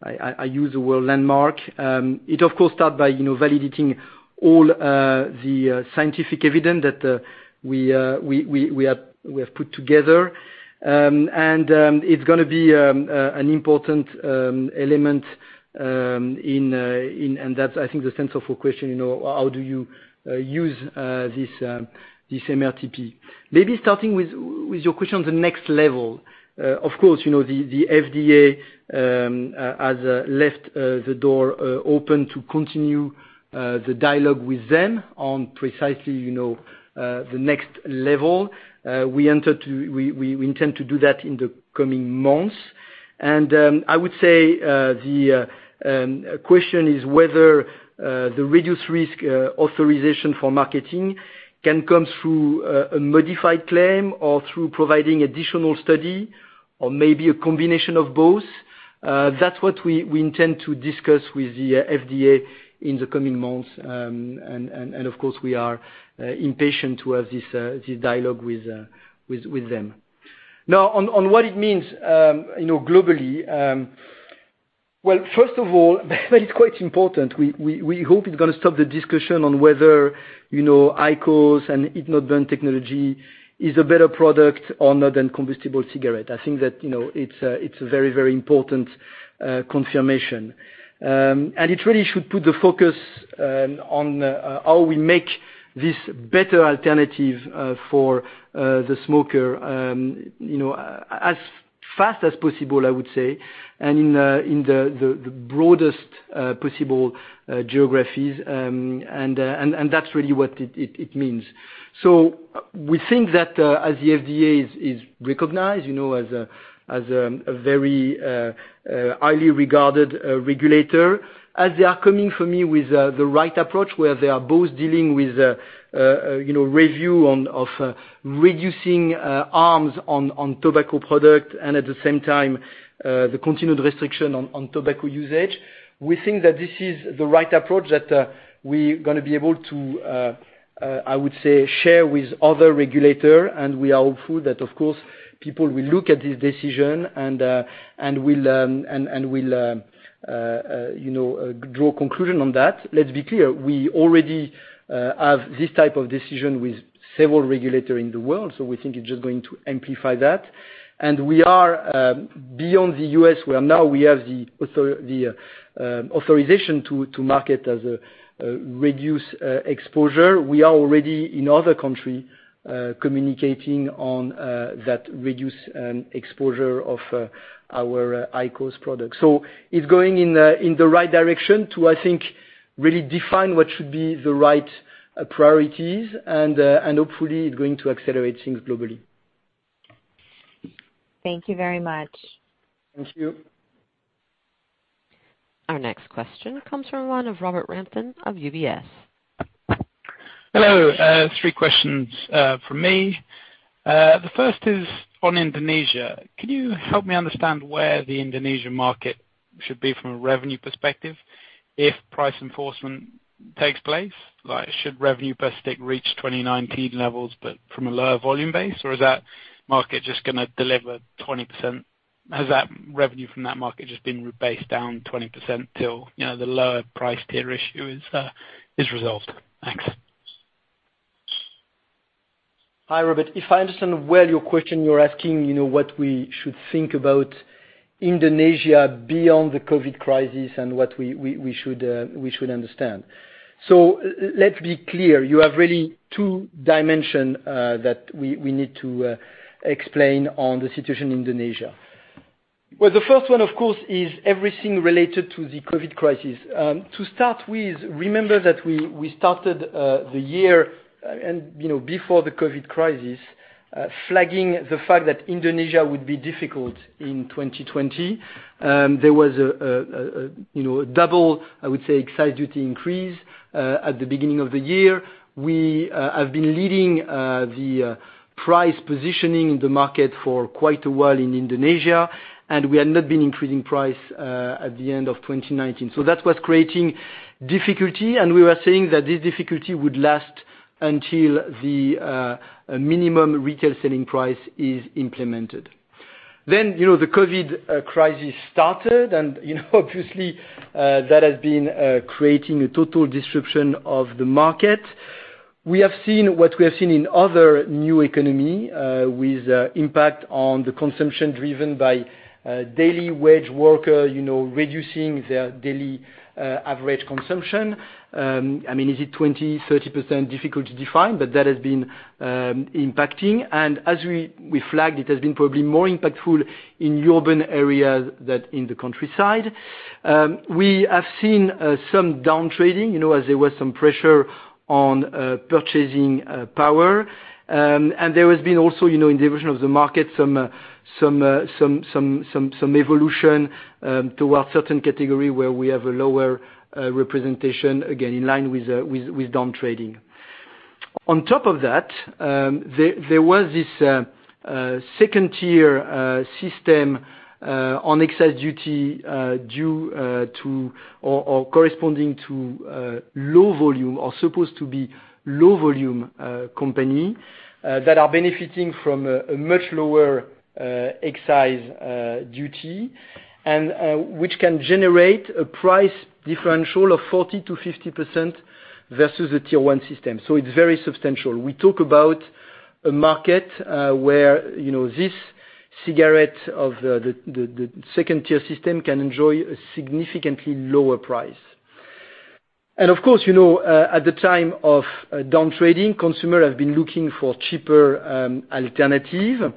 S3: I use the word landmark. It of course, start by validating all the scientific evidence that we have put together. It's going to be an important element, and that's, I think, the sense of your question, how do you use this MRTP? Maybe starting with your question on the next level. Of course, the FDA has left the door open to continue the dialogue with them on precisely the next level. We intend to do that in the coming months. I would say the question is whether the reduced risk authorization for marketing can come through a modified claim or through providing additional study or maybe a combination of both. That's what we intend to discuss with the FDA in the coming months. Of course, we are impatient to have this dialogue with them. Now, on what it means globally. Well, first of all, it's quite important. We hope it's going to stop the discussion on whether IQOS and heat-not-burn technology is a better product or not than combustible cigarette. I think that it's a very important confirmation. It really should put the focus on how we make this better alternative for the smoker as fast as possible, I would say, and in the broadest possible geographies. That's really what it means. We think that as the FDA is recognized as a very highly regarded regulator, as they are coming with the right approach, where they are both dealing with review of reducing harms on tobacco product and at the same time, the continued restriction on tobacco usage. We think that this is the right approach that we going to be able to, I would say, share with other regulator. We are hopeful that, of course, people will look at this decision and will draw a conclusion on that. Let's be clear. We already have this type of decision with several regulator in the world, so we think it's just going to amplify that. We are beyond the U.S., where now we have the authorization to market as a reduced exposure. We are already in other country, communicating on that reduced exposure of our IQOS product. It's going in the right direction to, I think, really define what should be the right priorities and hopefully it's going to accelerate things globally.
S6: Thank you very much.
S3: Thank you.
S1: Our next question comes from one of Robert Rampton of UBS.
S7: Hello. I have three questions from me. The first is on Indonesia. Can you help me understand where the Indonesian market should be from a revenue perspective if price enforcement takes place? Should revenue per stick reach 2019 levels, but from a lower volume base? Is that market just going to deliver 20%? Has that revenue from that market just been rebased down 20% till the lower price tier issue is resolved? Thanks.
S3: Hi, Robert. If I understand well your question, you're asking what we should think about Indonesia beyond the COVID crisis and what we should understand. Let's be clear. You have really two dimension that we need to explain on the situation in Indonesia. Well, the first one, of course, is everything related to the COVID crisis. To start with, remember that we started the year and before the COVID crisis, flagging the fact that Indonesia would be difficult in 2020. There was a double, I would say, excise duty increase at the beginning of the year. We have been leading the price positioning in the market for quite a while in Indonesia, and we had not been increasing price at the end of 2019. That was creating difficulty, and we were saying that this difficulty would last until the minimum retail selling price is implemented. The COVID crisis started and obviously, that has been creating a total disruption of the market. We have seen what we have seen in other new economy, with impact on the consumption driven by daily wage worker, reducing their daily average consumption. Is it 20%, 30%? Difficult to define, that has been impacting. As we flagged, it has been probably more impactful in urban areas than in the countryside. We have seen some down-trading, as there was some pressure on purchasing power. There has been also, in the evolution of the market, some evolution towards certain category where we have a lower representation, again, in line with down-trading. On top of that, there was this second-tier system on excise duty due to, or corresponding to low volume, or supposed to be low volume company, that are benefiting from a much lower excise duty, and which can generate a price differential of 40%-50% versus the tier 1 system. It's very substantial. We talk about a market where these cigarettes of the second-tier system can enjoy a significantly lower price. Of course, at the time of down-trading, consumer have been looking for cheaper alternative.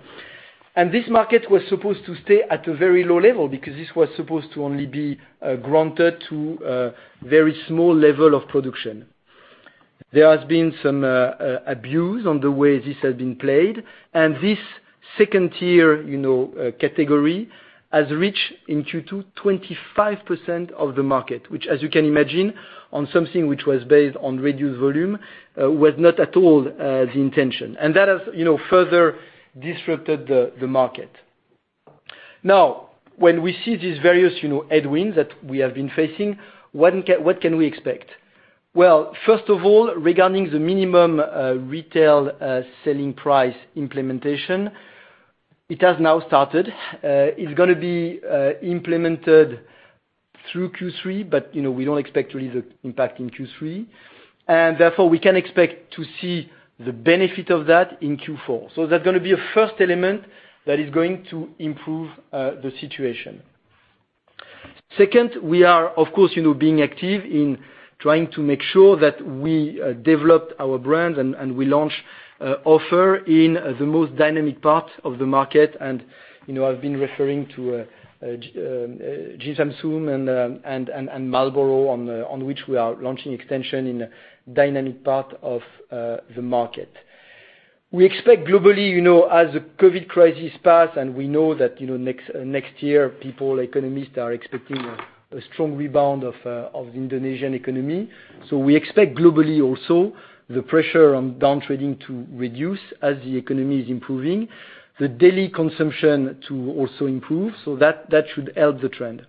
S3: This market was supposed to stay at a very low level, because this was supposed to only be granted to a very small level of production. There has been some abuse on the way this has been played, and this second-tier category has reached, in Q2, 25% of the market. Which, as you can imagine, on something which was based on reduced volume, was not at all the intention. That has further disrupted the market. Now, when we see these various headwinds that we have been facing, what can we expect? Well, first of all, regarding the minimum retail selling price implementation, it has now started. It's gonna be implemented through Q3, but we don't expect really the impact in Q3. Therefore, we can expect to see the benefit of that in Q4. That's gonna be a first element that is going to improve the situation. Second, we are, of course, being active in trying to make sure that we develop our brands and we launch offer in the most dynamic parts of the market. I've been referring to Dji Sam Soe and Marlboro, on which we are launching extension in a dynamic part of the market. We expect globally, as the COVID crisis pass, and we know that next year, people, economists, are expecting a strong rebound of the Indonesian economy. We expect globally also the pressure on down-trading to reduce as the economy is improving. The daily consumption to also improve, so that should help the trend.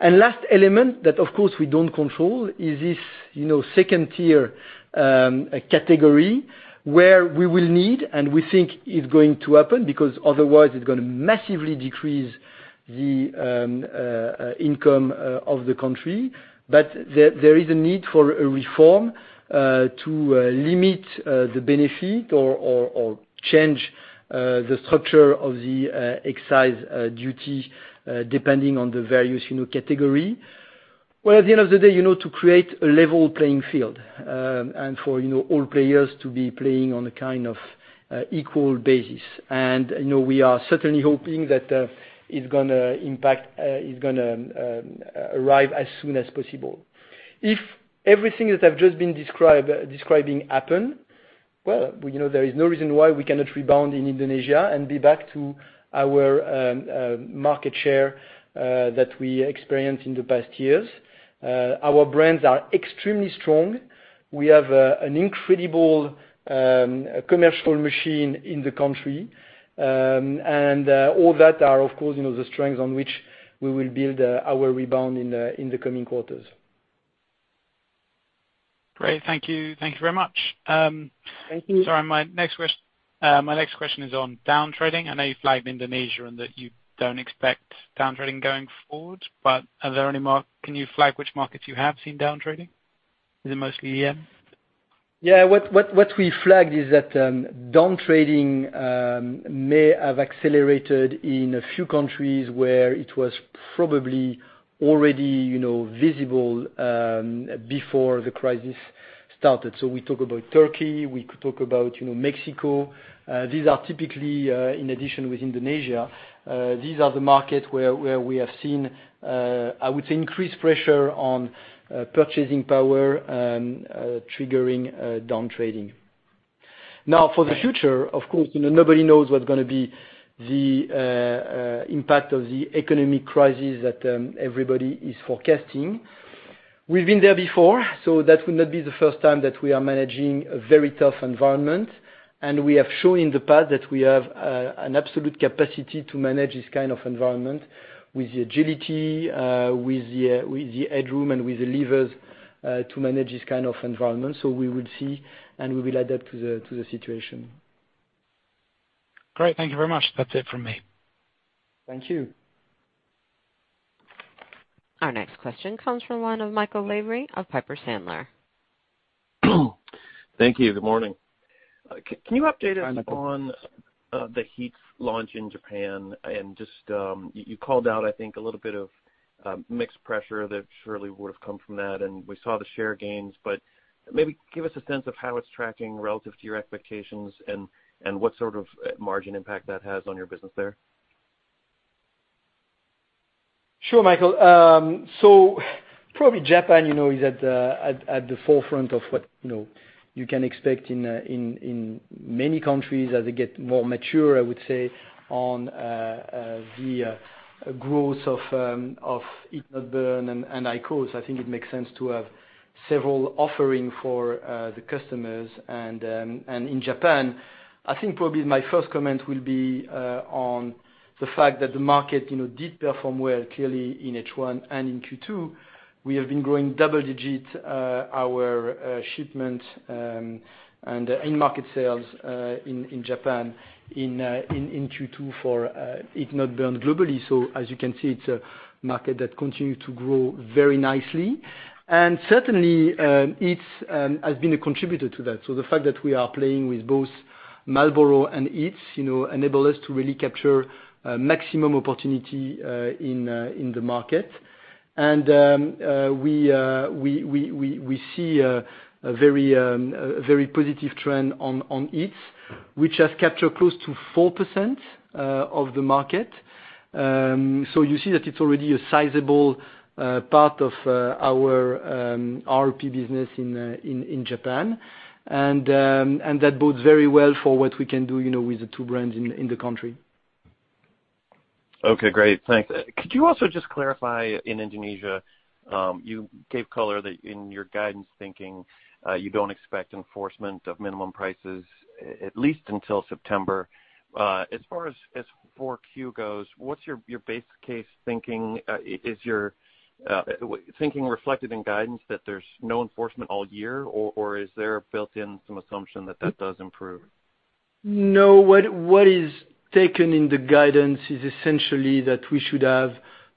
S3: Last element that of course we don't control is this second-tier category where we will need, and we think it's going to happen because otherwise it's gonna massively decrease the income of the country. There is a need for a reform to limit the benefit or change the structure of the excise duty, depending on the various category. Well, at the end of the day, to create a level playing field, and for all players to be playing on a kind of equal basis. We are certainly hoping that it's gonna arrive as soon as possible. If everything that I've just been describing happen, well, there is no reason why we cannot rebound in Indonesia and be back to our market share that we experienced in the past years. Our brands are extremely strong. We have an incredible commercial machine in the country. All that are, of course, the strengths on which we will build our rebound in the coming quarters.
S7: Great. Thank you. Thank you very much.
S3: Thank you.
S7: Sorry, my next question is on down-trading. I know you flagged Indonesia and that you don't expect down-trading going forward, can you flag which markets you have seen down-trading? Is it mostly EM?
S3: Yeah. What we flagged is that down-trading may have accelerated in a few countries where it was probably already visible before the crisis started. We talk about Turkey, we could talk about Mexico. These are typically, in addition with Indonesia, these are the markets where we have seen, I would say increased pressure on purchasing power triggering down-trading. For the future, of course, nobody knows what's gonna be the impact of the economic crisis that everybody is forecasting. We've been there before, so that would not be the first time that we are managing a very tough environment. We have shown in the past that we have an absolute capacity to manage this kind of environment with the agility, with the headroom and with the levers to manage this kind of environment. We will see, and we will adapt to the situation.
S7: Great. Thank you very much. That's it from me.
S3: Thank you.
S1: Our next question comes from the line of Michael Lavery of Piper Sandler.
S8: Thank you. Good morning.
S3: Hi, Michael.
S8: Can you update us on the HEETS launch in Japan? You called out, I think, a little bit of mixed pressure that surely would've come from that, and we saw the share gains. Maybe give us a sense of how it's tracking relative to your expectations and what sort of margin impact that has on your business there.
S3: Sure, Michael. Probably Japan is at the forefront of what you can expect in many countries as they get more mature, I would say, on the growth of heat not burn and IQOS. I think it makes sense to have several offering for the customers. In Japan, I think probably my first comment will be on the fact that the market did perform well, clearly in H1 and in Q2. We have been growing double-digit our shipment, and in-market sales in Japan in Q2 for heat not burn globally. As you can see, it's a market that continue to grow very nicely. Certainly, HEETS has been a contributor to that. The fact that we are playing with both Marlboro and HEETS, enable us to really capture maximum opportunity in the market. We see a very positive trend on HEETS, which has captured close to 4% of the market. You see that it's already a sizable part of our RRP business in Japan. That bodes very well for what we can do with the two brands in the country.
S8: Okay, great. Thanks. Could you also just clarify, in Indonesia, you gave color that in your guidance thinking, you don't expect enforcement of minimum prices, at least until September. As far as 4Q goes, what's your base case thinking? Is your thinking reflected in guidance that there's no enforcement all year, or is there a built-in some assumption that that does improve?
S3: No. What is taken in the guidance is essentially that we should have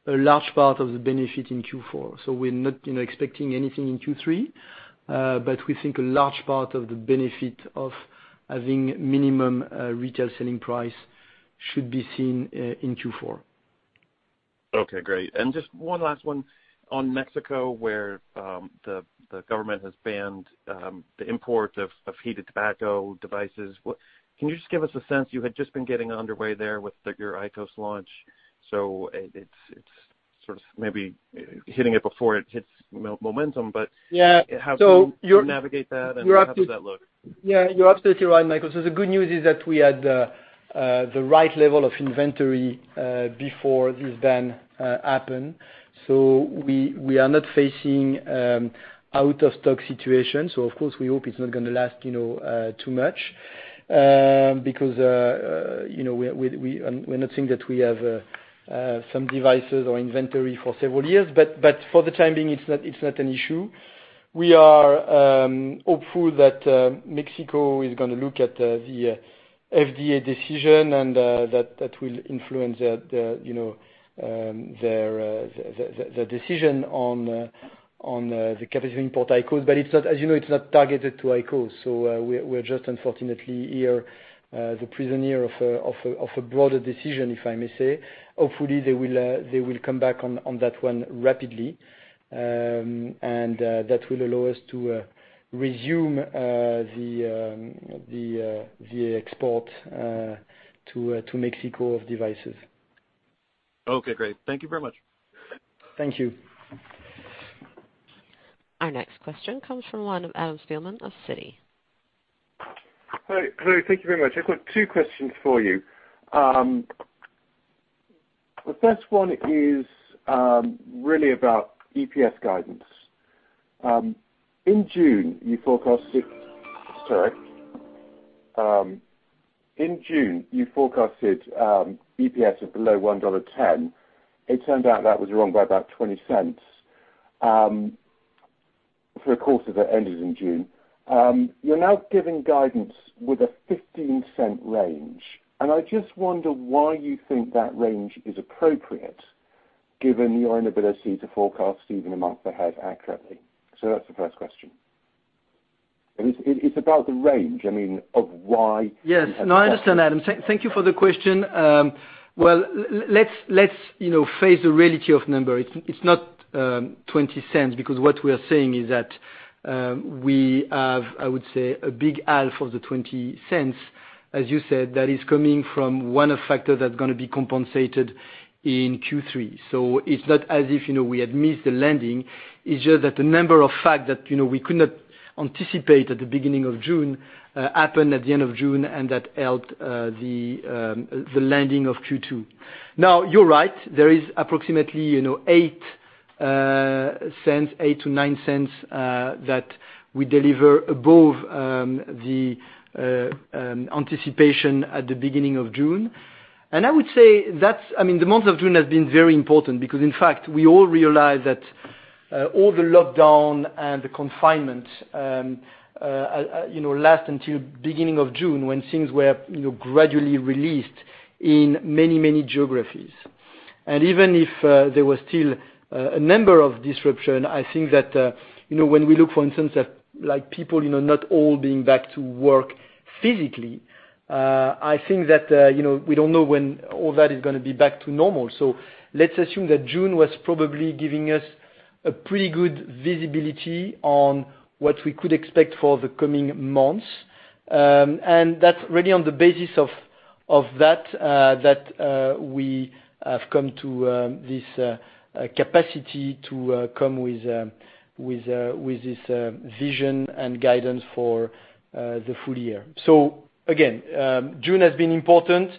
S3: a large part of the benefit in Q4. We're not expecting anything in Q3. We think a large part of the benefit of having minimum retail selling price should be seen in Q4.
S8: Okay, great. Just one last one on Mexico, where the government has banned the import of heated tobacco devices. Can you just give us a sense, you had just been getting underway there with your IQOS launch, so it's sort of maybe hitting it before it hits momentum.
S3: Yeah.
S8: How do you navigate that, and how does that look?
S3: Yeah, you're absolutely right, Michael. The good news is that we had the right level of inventory before this ban happened. We are not facing out of stock situation. Of course, we hope it's not going to last too much. Because we're not saying that we have some devices or inventory for several years. For the time being, it's not an issue. We are hopeful that Mexico is going to look at the FDA decision and that will influence their decision on the [capital import] IQOS. As you know, it's not targeted to IQOS. We're just unfortunately here, the prisoner of a broader decision, if I may say. Hopefully, they will come back on that one rapidly. That will allow us to resume the export to Mexico of devices.
S8: Okay, great. Thank you very much.
S3: Thank you.
S1: Our next question comes from the line of Adam Spielman of Citi.
S9: Hi. Hello. Thank you very much. I've got two questions for you. The first one is really about EPS guidance. In June, you forecasted EPS of below $1.10. It turned out that was wrong by about $0.20 for a quarter that ended in June. You're now giving guidance with a $0.15 range. I just wonder why you think that range is appropriate given your inability to forecast even a month ahead accurately. That's the first question. It's about the range.
S3: Yes. No, I understand, Adam. Thank you for the question. Well, let's face the reality of number. It's not $0.20 because what we are saying is that, we have, I would say, a big half of the $0.20, as you said, that is coming from one factor that's going to be compensated in Q3. It's just that the number of fact that we could not anticipate at the beginning of June, happened at the end of June, and that helped the landing of Q2. You're right. There is approximately $0.08, $0.08 to $0.09 that we deliver above the anticipation at the beginning of June. I would say, the month of June has been very important because, in fact, we all realize that all the lockdown and the confinement last until beginning of June, when things were gradually released in many, many geographies. Even if there were still a number of disruption, I think that when we look, for instance, at people not all being back to work physically, I think that we don't know when all that is going to be back to normal. Let's assume that June was probably giving us a pretty good visibility on what we could expect for the coming months. That's really on the basis of that we have come to this capacity to come with this vision and guidance for the full year. Again, June has been important.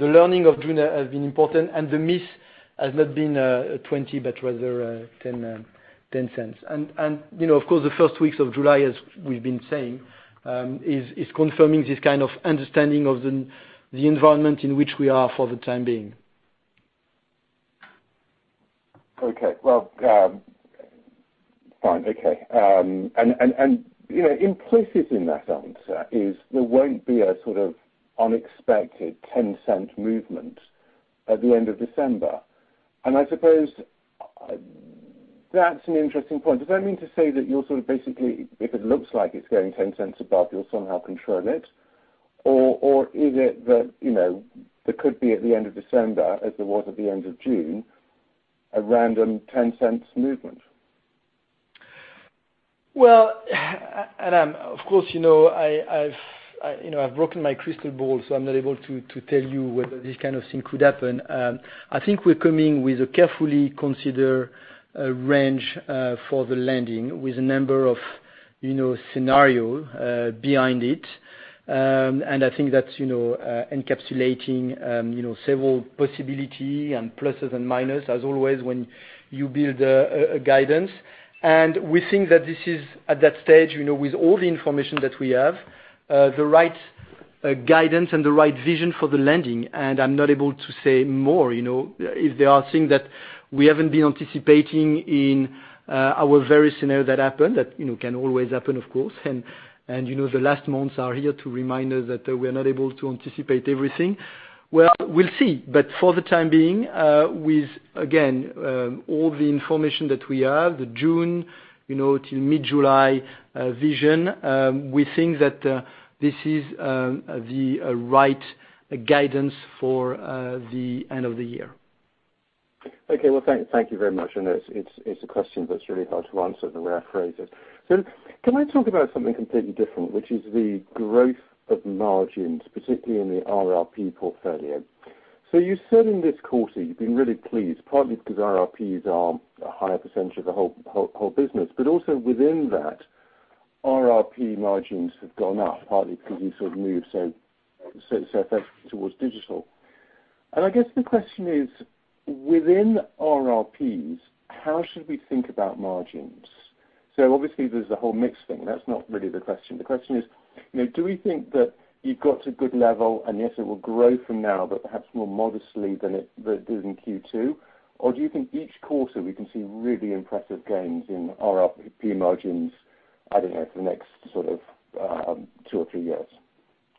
S3: The learning of June has been important, and the miss has not been 20, but rather $0.10. Of course, the first weeks of July, as we've been saying, is confirming this kind of understanding of the environment in which we are for the time being.
S9: Okay. Well, fine. Okay. Implicit in that answer is there won't be a sort of unexpected $0.10 movement at the end of December, and I suppose that's an interesting point. Does that mean to say that you're sort of basically, if it looks like it's going $0.10 above, you'll somehow control it? Is it that there could be, at the end of December, as there was at the end of June, a random $0.10 movement?
S3: Well, Adam, of course, I've broken my crystal ball. I'm not able to tell you whether this kind of thing could happen. I think we're coming with a carefully considered range for the landing with a number of scenario behind it. I think that's encapsulating several possibility and pluses and minus, as always, when you build a guidance. We think that this is at that stage, with all the information that we have, the right guidance and the right vision for the landing. I'm not able to say more. If there are things that we haven't been anticipating in our various scenario that happened, that can always happen, of course. The last months are here to remind us that we are not able to anticipate everything. Well, we'll see. For the time being, with, again, all the information that we have, the June to mid-July vision, we think that this is the right guidance for the end of the year.
S9: Okay. Well, thank you very much. I know it's a question that's really hard to answer, the way I phrased it. Can I talk about something completely different, which is the growth of margins, particularly in the RRP portfolio? You said in this quarter you've been really pleased, partly because RRPs are a higher percentage of the whole business, but also within that, RRP margins have gone up, partly because you sort of moved so effectively towards digital. I guess the question is, within RRPs, how should we think about margins? Obviously there's the whole mix thing. That's not really the question. The question is, do we think that you got to a good level, and yes, it will grow from now, but perhaps more modestly than it did in Q2? Do you think each quarter we can see really impressive gains in RRP margins, I don't know, for the next sort of two or three years?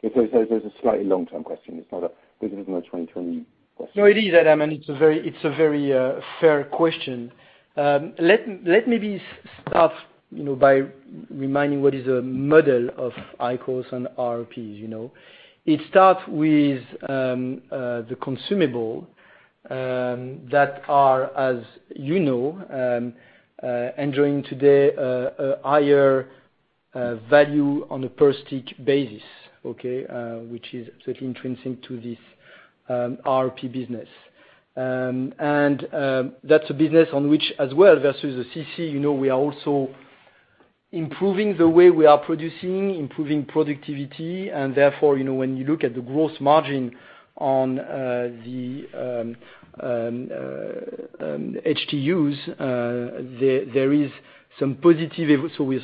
S9: It's a slightly long-term question. This is no 2020 question.
S3: No, it is, Adam. It's a very fair question. Let me start by reminding what is a model of IQOS and RRPs. It starts with the consumable that are, as you know, enjoying today a higher value on a per-stick basis, okay? Which is absolutely intrinsic to this RRP business. That's a business on which, as well, versus the CC, we are also improving the way we are producing, improving productivity, and therefore, when you look at the gross margin on the HTUs, there is some positive.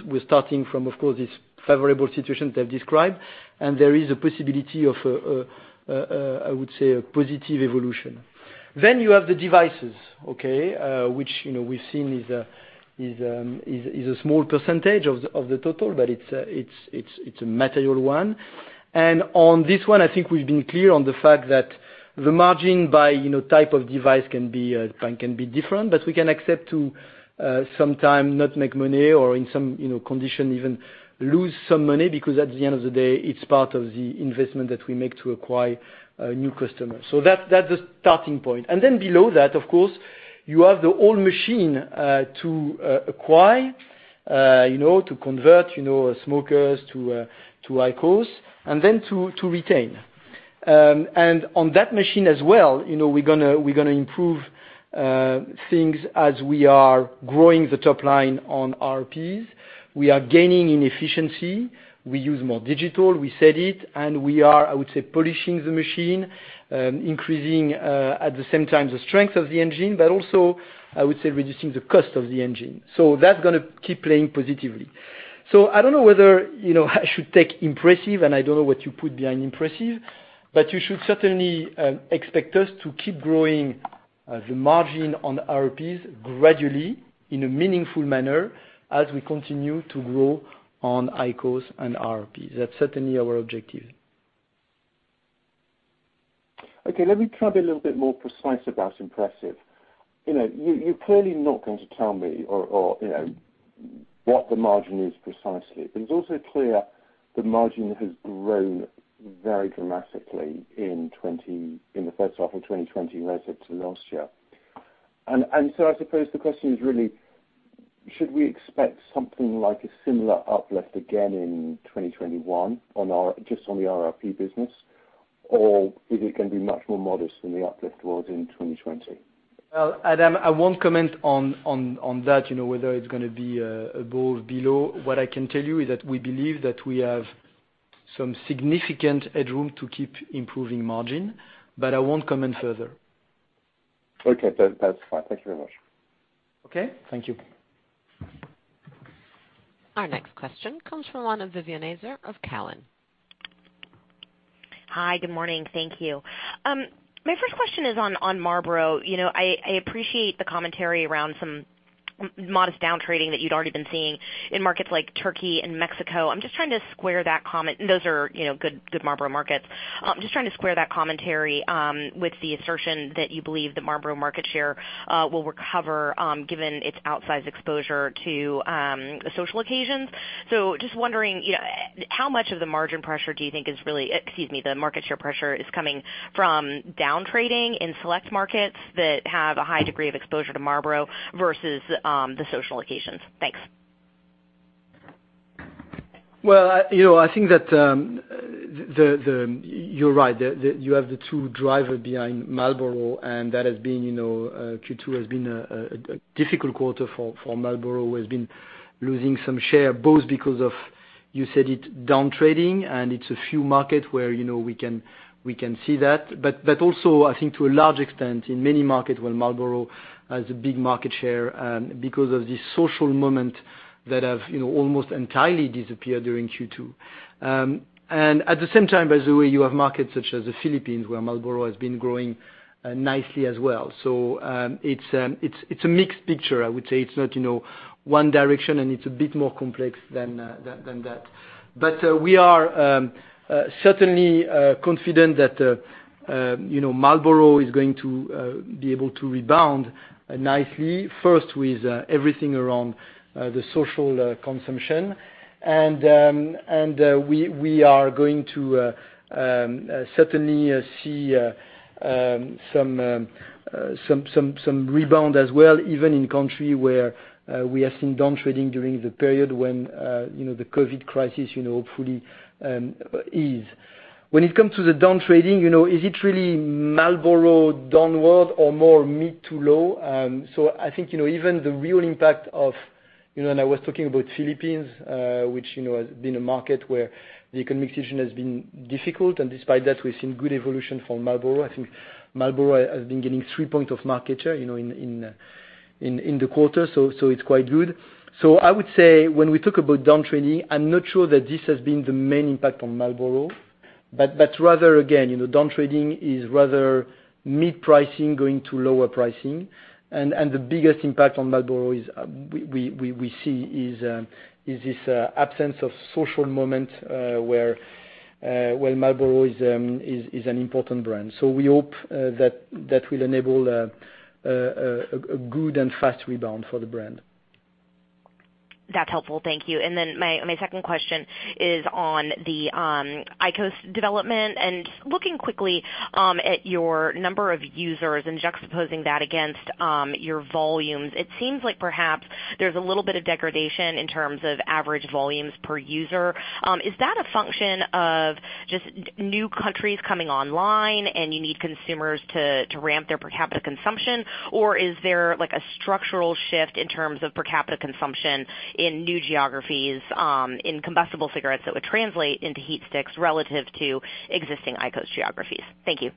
S3: We're starting from, of course, this favorable situation that I've described, and there is a possibility of, I would say, a positive evolution. You have the devices, okay? Which we've seen is a small percentage of the total, but it's a material one. On this one, I think we've been clear on the fact that the margin by type of device can be different, but we can accept to sometimes not make money or in some condition even lose some money, because at the end of the day, it's part of the investment that we make to acquire new customers. That's the starting point. Below that, of course, you have the whole machine to acquire to convert smokers to IQOS, and then to retain. On that machine as well, we're going to improve things as we are growing the top line on RRPs. We are gaining in efficiency. We use more digital. We said it, and we are, I would say, polishing the machine, increasing, at the same time, the strength of the engine, but also, I would say, reducing the cost of the engine. That's going to keep playing positively. I don't know whether I should take impressive, and I don't know what you put behind impressive, but you should certainly expect us to keep growing the margin on RRPs gradually in a meaningful manner as we continue to grow on IQOS and RRPs. That's certainly our objective.
S9: Okay, let me try to be a little bit more precise about impressive. You're clearly not going to tell me what the margin is precisely, but it's also clear the margin has grown very dramatically in the first half of 2020 relative to last year. I suppose the question is really, should we expect something like a similar uplift again in 2021, just on the RRP business? Or is it going to be much more modest than the uplift was in 2020?
S3: Well, Adam, I won't comment on that, whether it's going to be above or below. What I can tell you is that we believe that we have some significant headroom to keep improving margin, but I won't comment further.
S9: Okay. That's fine. Thank you very much.
S3: Okay. Thank you.
S1: Our next question comes from line of Vivien Azer of Cowen.
S10: Hi. Good morning. Thank you. My first question is on Marlboro. I appreciate the commentary around some modest down-trading that you'd already been seeing in markets like Turkey and Mexico. Those are good Marlboro markets. I'm just trying to square that commentary with the assertion that you believe the Marlboro market share will recover, given its outsized exposure to social occasions. Just wondering, how much of the margin pressure do you think the market share pressure is coming from down-trading in select markets that have a high degree of exposure to Marlboro versus, the social occasions? Thanks.
S3: Well, I think that you're right. You have the two drivers behind Marlboro, Q2 has been a difficult quarter for Marlboro. It has been losing some share, both because of, you said it, down-trading, and it's a few markets where we can see that. Also, I think to a large extent, in many markets where Marlboro has a big market share, because of the social moment that have almost entirely disappeared during Q2. At the same time, by the way, you have markets such as the Philippines, where Marlboro has been growing nicely as well. It's a mixed picture, I would say. It's not one direction, and it's a bit more complex than that. We are certainly confident that Marlboro is going to be able to rebound nicely. First, with everything around the social consumption. We are going to certainly see some rebound as well, even in countries where we have seen down-trading during the period when the COVID-19 crisis hopefully eases. When it comes to the down-trading, is it really Marlboro downward or more mid to low? I think, even the real impact of I was talking about Philippines, which has been a market where the economic situation has been difficult. Despite that, we've seen good evolution for Marlboro. I think Marlboro has been gaining three points of market share in the quarter. It's quite good. I would say, when we talk about down-trading, I'm not sure that this has been the main impact on Marlboro. Rather again, down-trading is rather mid pricing going to lower pricing. The biggest impact on Marlboro we see is this absence of social moments where Marlboro is an important brand. We hope that will enable a good and fast rebound for the brand.
S10: That's helpful. Thank you. My second question is on the IQOS development. Looking quickly at your number of users and juxtaposing that against your volumes, it seems like perhaps there's a little bit of degradation in terms of average volumes per user. Is that a function of just new countries coming online and you need consumers to ramp their per capita consumption? Is there a structural shift in terms of per capita consumption in new geographies, in combustible cigarettes that would translate into HeatSticks relative to existing IQOS geographies? Thank you.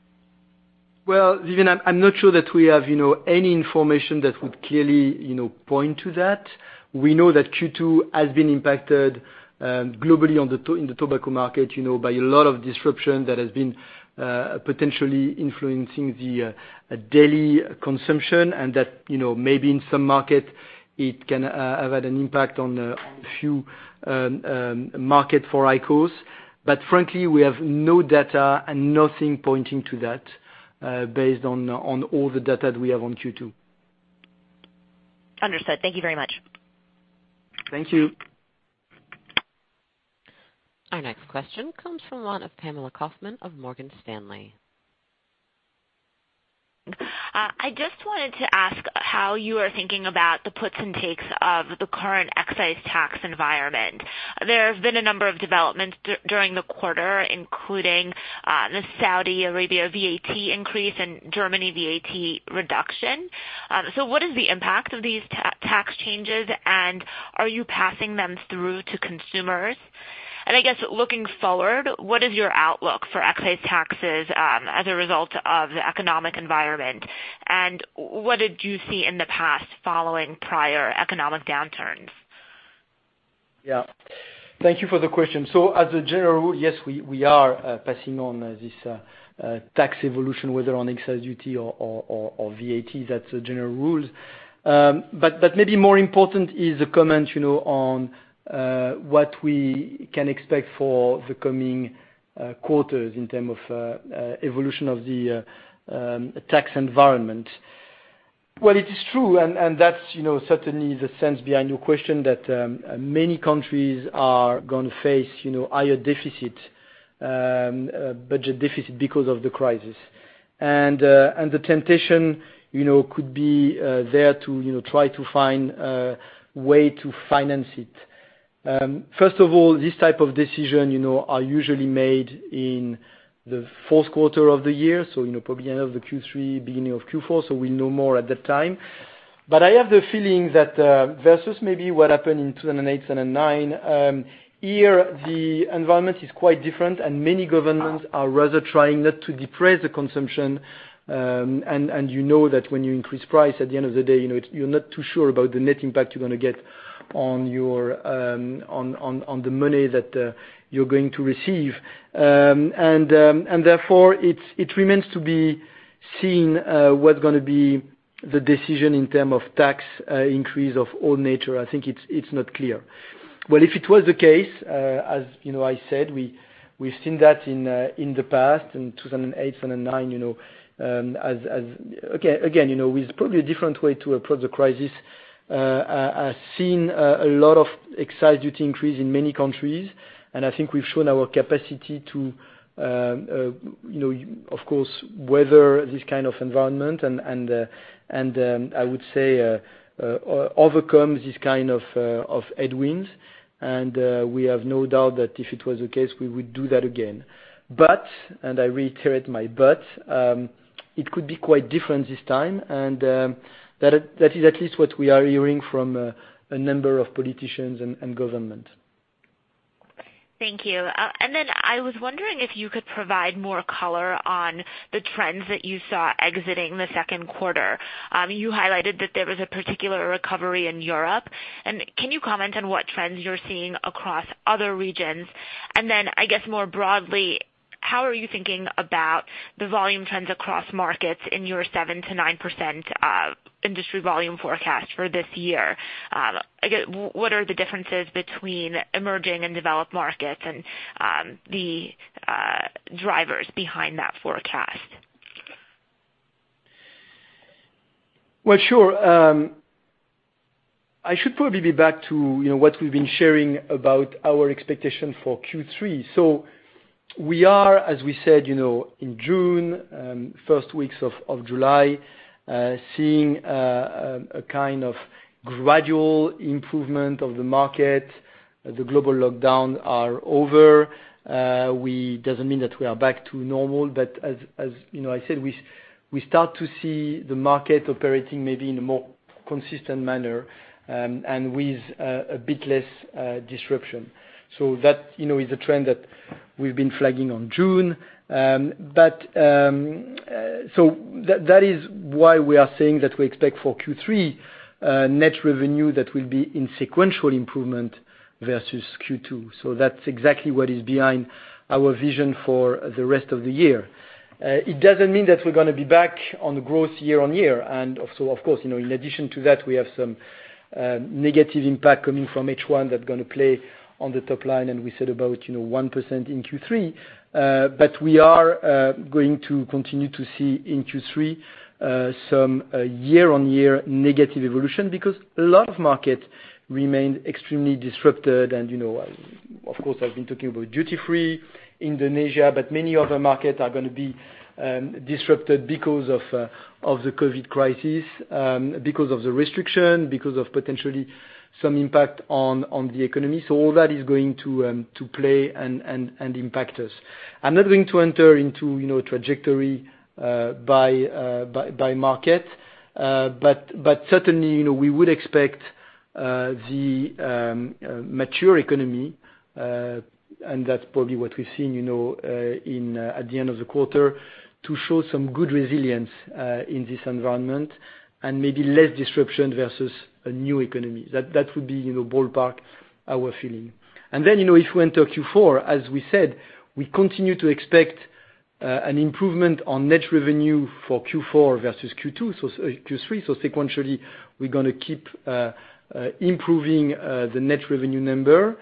S3: Well, Vivian, I'm not sure that we have any information that would clearly point to that. We know that Q2 has been impacted globally in the tobacco market by a lot of disruption that has been potentially influencing the daily consumption and that maybe in some markets, it can have had an impact on a few markets for IQOS. Frankly, we have no data and nothing pointing to that based on all the data that we have on Q2.
S10: Understood. Thank you very much.
S3: Thank you.
S1: Our next question comes from one of Pamela Kaufman of Morgan Stanley.
S11: I just wanted to ask how you are thinking about the puts and takes of the current excise tax environment. There have been a number of developments during the quarter, including the Saudi Arabia VAT increase and Germany VAT reduction. What is the impact of these tax changes, and are you passing them through to consumers? I guess looking forward, what is your outlook for excise taxes as a result of the economic environment? What did you see in the past following prior economic downturns?
S3: Yeah. Thank you for the question. As a general rule, yes, we are passing on this tax evolution, whether on excise duty or VAT, that's the general rules. Maybe more important is the comment on what we can expect for the coming quarters in term of evolution of the tax environment. Well, it is true, and that's certainly the sense behind your question, that many countries are going to face higher budget deficit because of the crisis. The temptation could be there to try to find a way to finance it. First of all, this type of decision are usually made in the fourth quarter of the year, so probably end of the Q3, beginning of Q4, so we'll know more at that time. I have the feeling that versus maybe what happened in 2008, 2009, here, the environment is quite different, and many governments are rather trying not to depress the consumption. You know that when you increase price, at the end of the day, you're not too sure about the net impact you're going to get on the money that you're going to receive. Therefore, it remains to be seen what's going to be the decision in terms of tax increase of all nature. I think it's not clear. If it was the case, as you know, I said, we've seen that in the past, in 2008, 2009. Again, with probably a different way to approach the crisis. I've seen a lot of excise duty increase in many countries, and I think we've shown our capacity to, of course, weather this kind of environment and I would say, overcome this kind of headwinds. We have no doubt that if it was the case, we would do that again. I reiterate my but, it could be quite different this time, and that is at least what we are hearing from a number of politicians and government.
S11: Thank you. I was wondering if you could provide more color on the trends that you saw exiting the second quarter. You highlighted that there was a particular recovery in Europe, and can you comment on what trends you're seeing across other regions? I guess more broadly, how are you thinking about the volume trends across markets in your 7%-9% industry volume forecast for this year? I guess, what are the differences between emerging and developed markets and the drivers behind that forecast?
S3: Well, sure. I should probably be back to what we've been sharing about our expectation for Q3. We are, as we said in June, first weeks of July, seeing a kind of gradual improvement of the market. The global lockdown are over. Doesn't mean that we are back to normal, but as you know I said, we start to see the market operating maybe in a more consistent manner, and with a bit less disruption. That is a trend that we've been flagging on June. That is why we are saying that we expect for Q3, net revenue that will be in sequential improvement versus Q2. That's exactly what is behind our vision for the rest of the year. It doesn't mean that we're gonna be back on growth year-over-year. Of course, in addition to that, we have some negative impact coming from H1 that's going to play on the top line, and we said about 1% in Q3. We are going to continue to see in Q3 some year-on-year negative evolution because a lot of markets remain extremely disrupted and, of course, I've been talking about duty-free Indonesia, but many other markets are going to be disrupted because of the COVID crisis, because of the restriction, because of potentially some impact on the economy. All that is going to play and impact us. I'm not going to enter into trajectory by market. Certainly, we would expect the mature economy, and that's probably what we've seen at the end of the quarter, to show some good resilience in this environment and maybe less disruption versus a new economy. That would be ballpark our feeling. If we enter Q4, as we said, we continue to expect an improvement on net revenue for Q4 versus Q2, so Q3, so sequentially, we're gonna keep improving the net revenue number.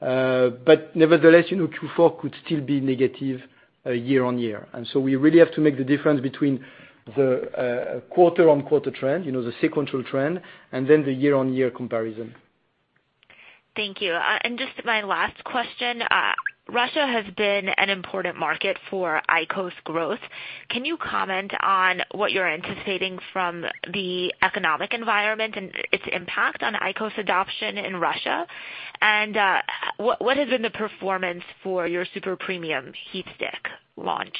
S3: Nevertheless, Q4 could still be negative year-over-year. We really have to make the difference between the quarter-over-quarter trend, the sequential trend, and then the year-over-year comparison.
S11: Thank you. Just my last question. Russia has been an important market for IQOS growth. Can you comment on what you're anticipating from the economic environment and its impact on IQOS adoption in Russia? What has been the performance for your super premium HeatStick launch?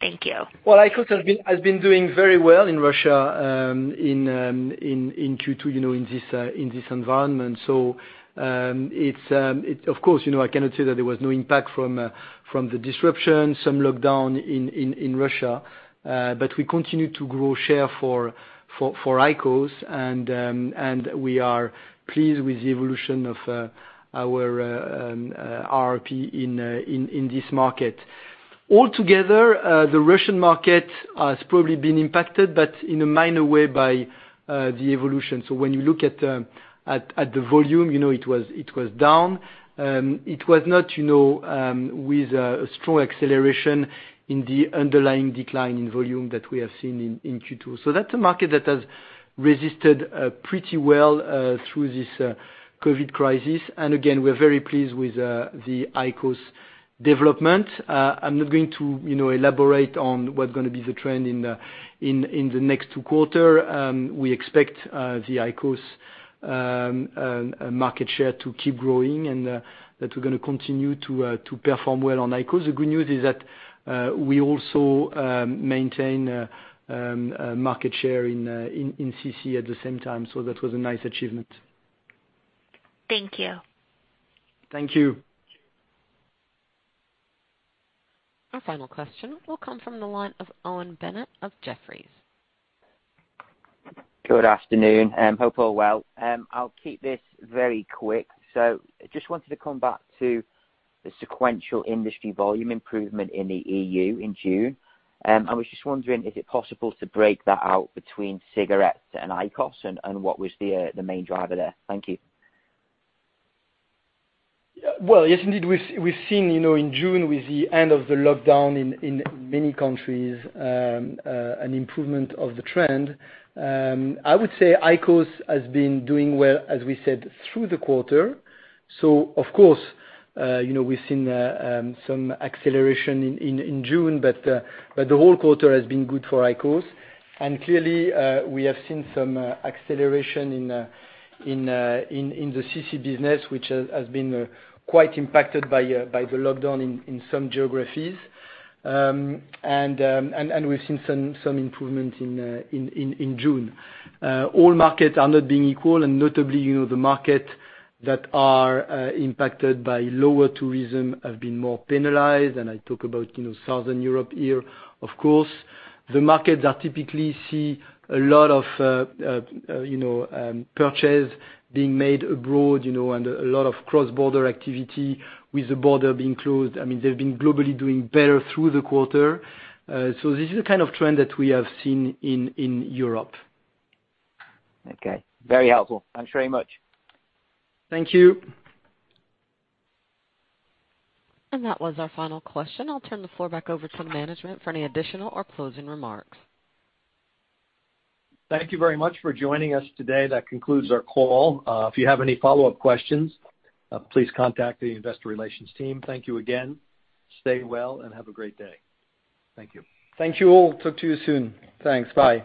S11: Thank you.
S3: Well, IQOS has been doing very well in Russia, in Q2, in this environment. Of course, I cannot say that there was no impact from the disruption, some lockdown in Russia. We continue to grow share for IQOS and we are pleased with the evolution of our RRP in this market. Altogether, the Russian market has probably been impacted, but in a minor way by the evolution. When you look at the volume, it was down. It was not with a strong acceleration in the underlying decline in volume that we have seen in Q2. That's a market that has resisted pretty well, through this COVID-19 crisis. Again, we're very pleased with the IQOS development. I'm not going to elaborate on what's going to be the trend in the next two quarter. We expect the IQOS market share to keep growing and that we're going to continue to perform well on IQOS. The good news is that, we also maintain market share in CC at the same time. That was a nice achievement.
S11: Thank you.
S3: Thank you.
S1: Our final question will come from the line of Owen Bennett of Jefferies.
S12: Good afternoon. Hope all well. I'll keep this very quick. Just wanted to come back to the sequential industry volume improvement in the EU in June. I was just wondering, is it possible to break that out between cigarettes and IQOS and what was the main driver there? Thank you.
S3: Yes indeed. We've seen, in June with the end of the lockdown in many countries, an improvement of the trend. I would say IQOS has been doing well, as we said, through the quarter. Of course, we've seen some acceleration in June, but the whole quarter has been good for IQOS. Clearly, we have seen some acceleration in the CC business, which has been quite impacted by the lockdown in some geographies. We've seen some improvement in June. All markets are not being equal and notably, the market that are impacted by lower tourism have been more penalized. I talk about Southern Europe here, of course. The markets that typically see a lot of purchase being made abroad and a lot of cross-border activity with the border being closed. They've been globally doing better through the quarter. This is the kind of trend that we have seen in Europe.
S12: Okay. Very helpful. Thanks very much.
S3: Thank you.
S1: That was our final question. I'll turn the floor back over to management for any additional or closing remarks.
S2: Thank you very much for joining us today. That concludes our call. If you have any follow-up questions, please contact the investor relations team. Thank you again. Stay well and have a great day. Thank you.
S3: Thank you all. Talk to you soon. Thanks. Bye.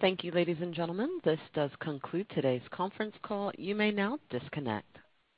S1: Thank you, ladies and gentlemen. This does conclude today's conference call. You may now disconnect.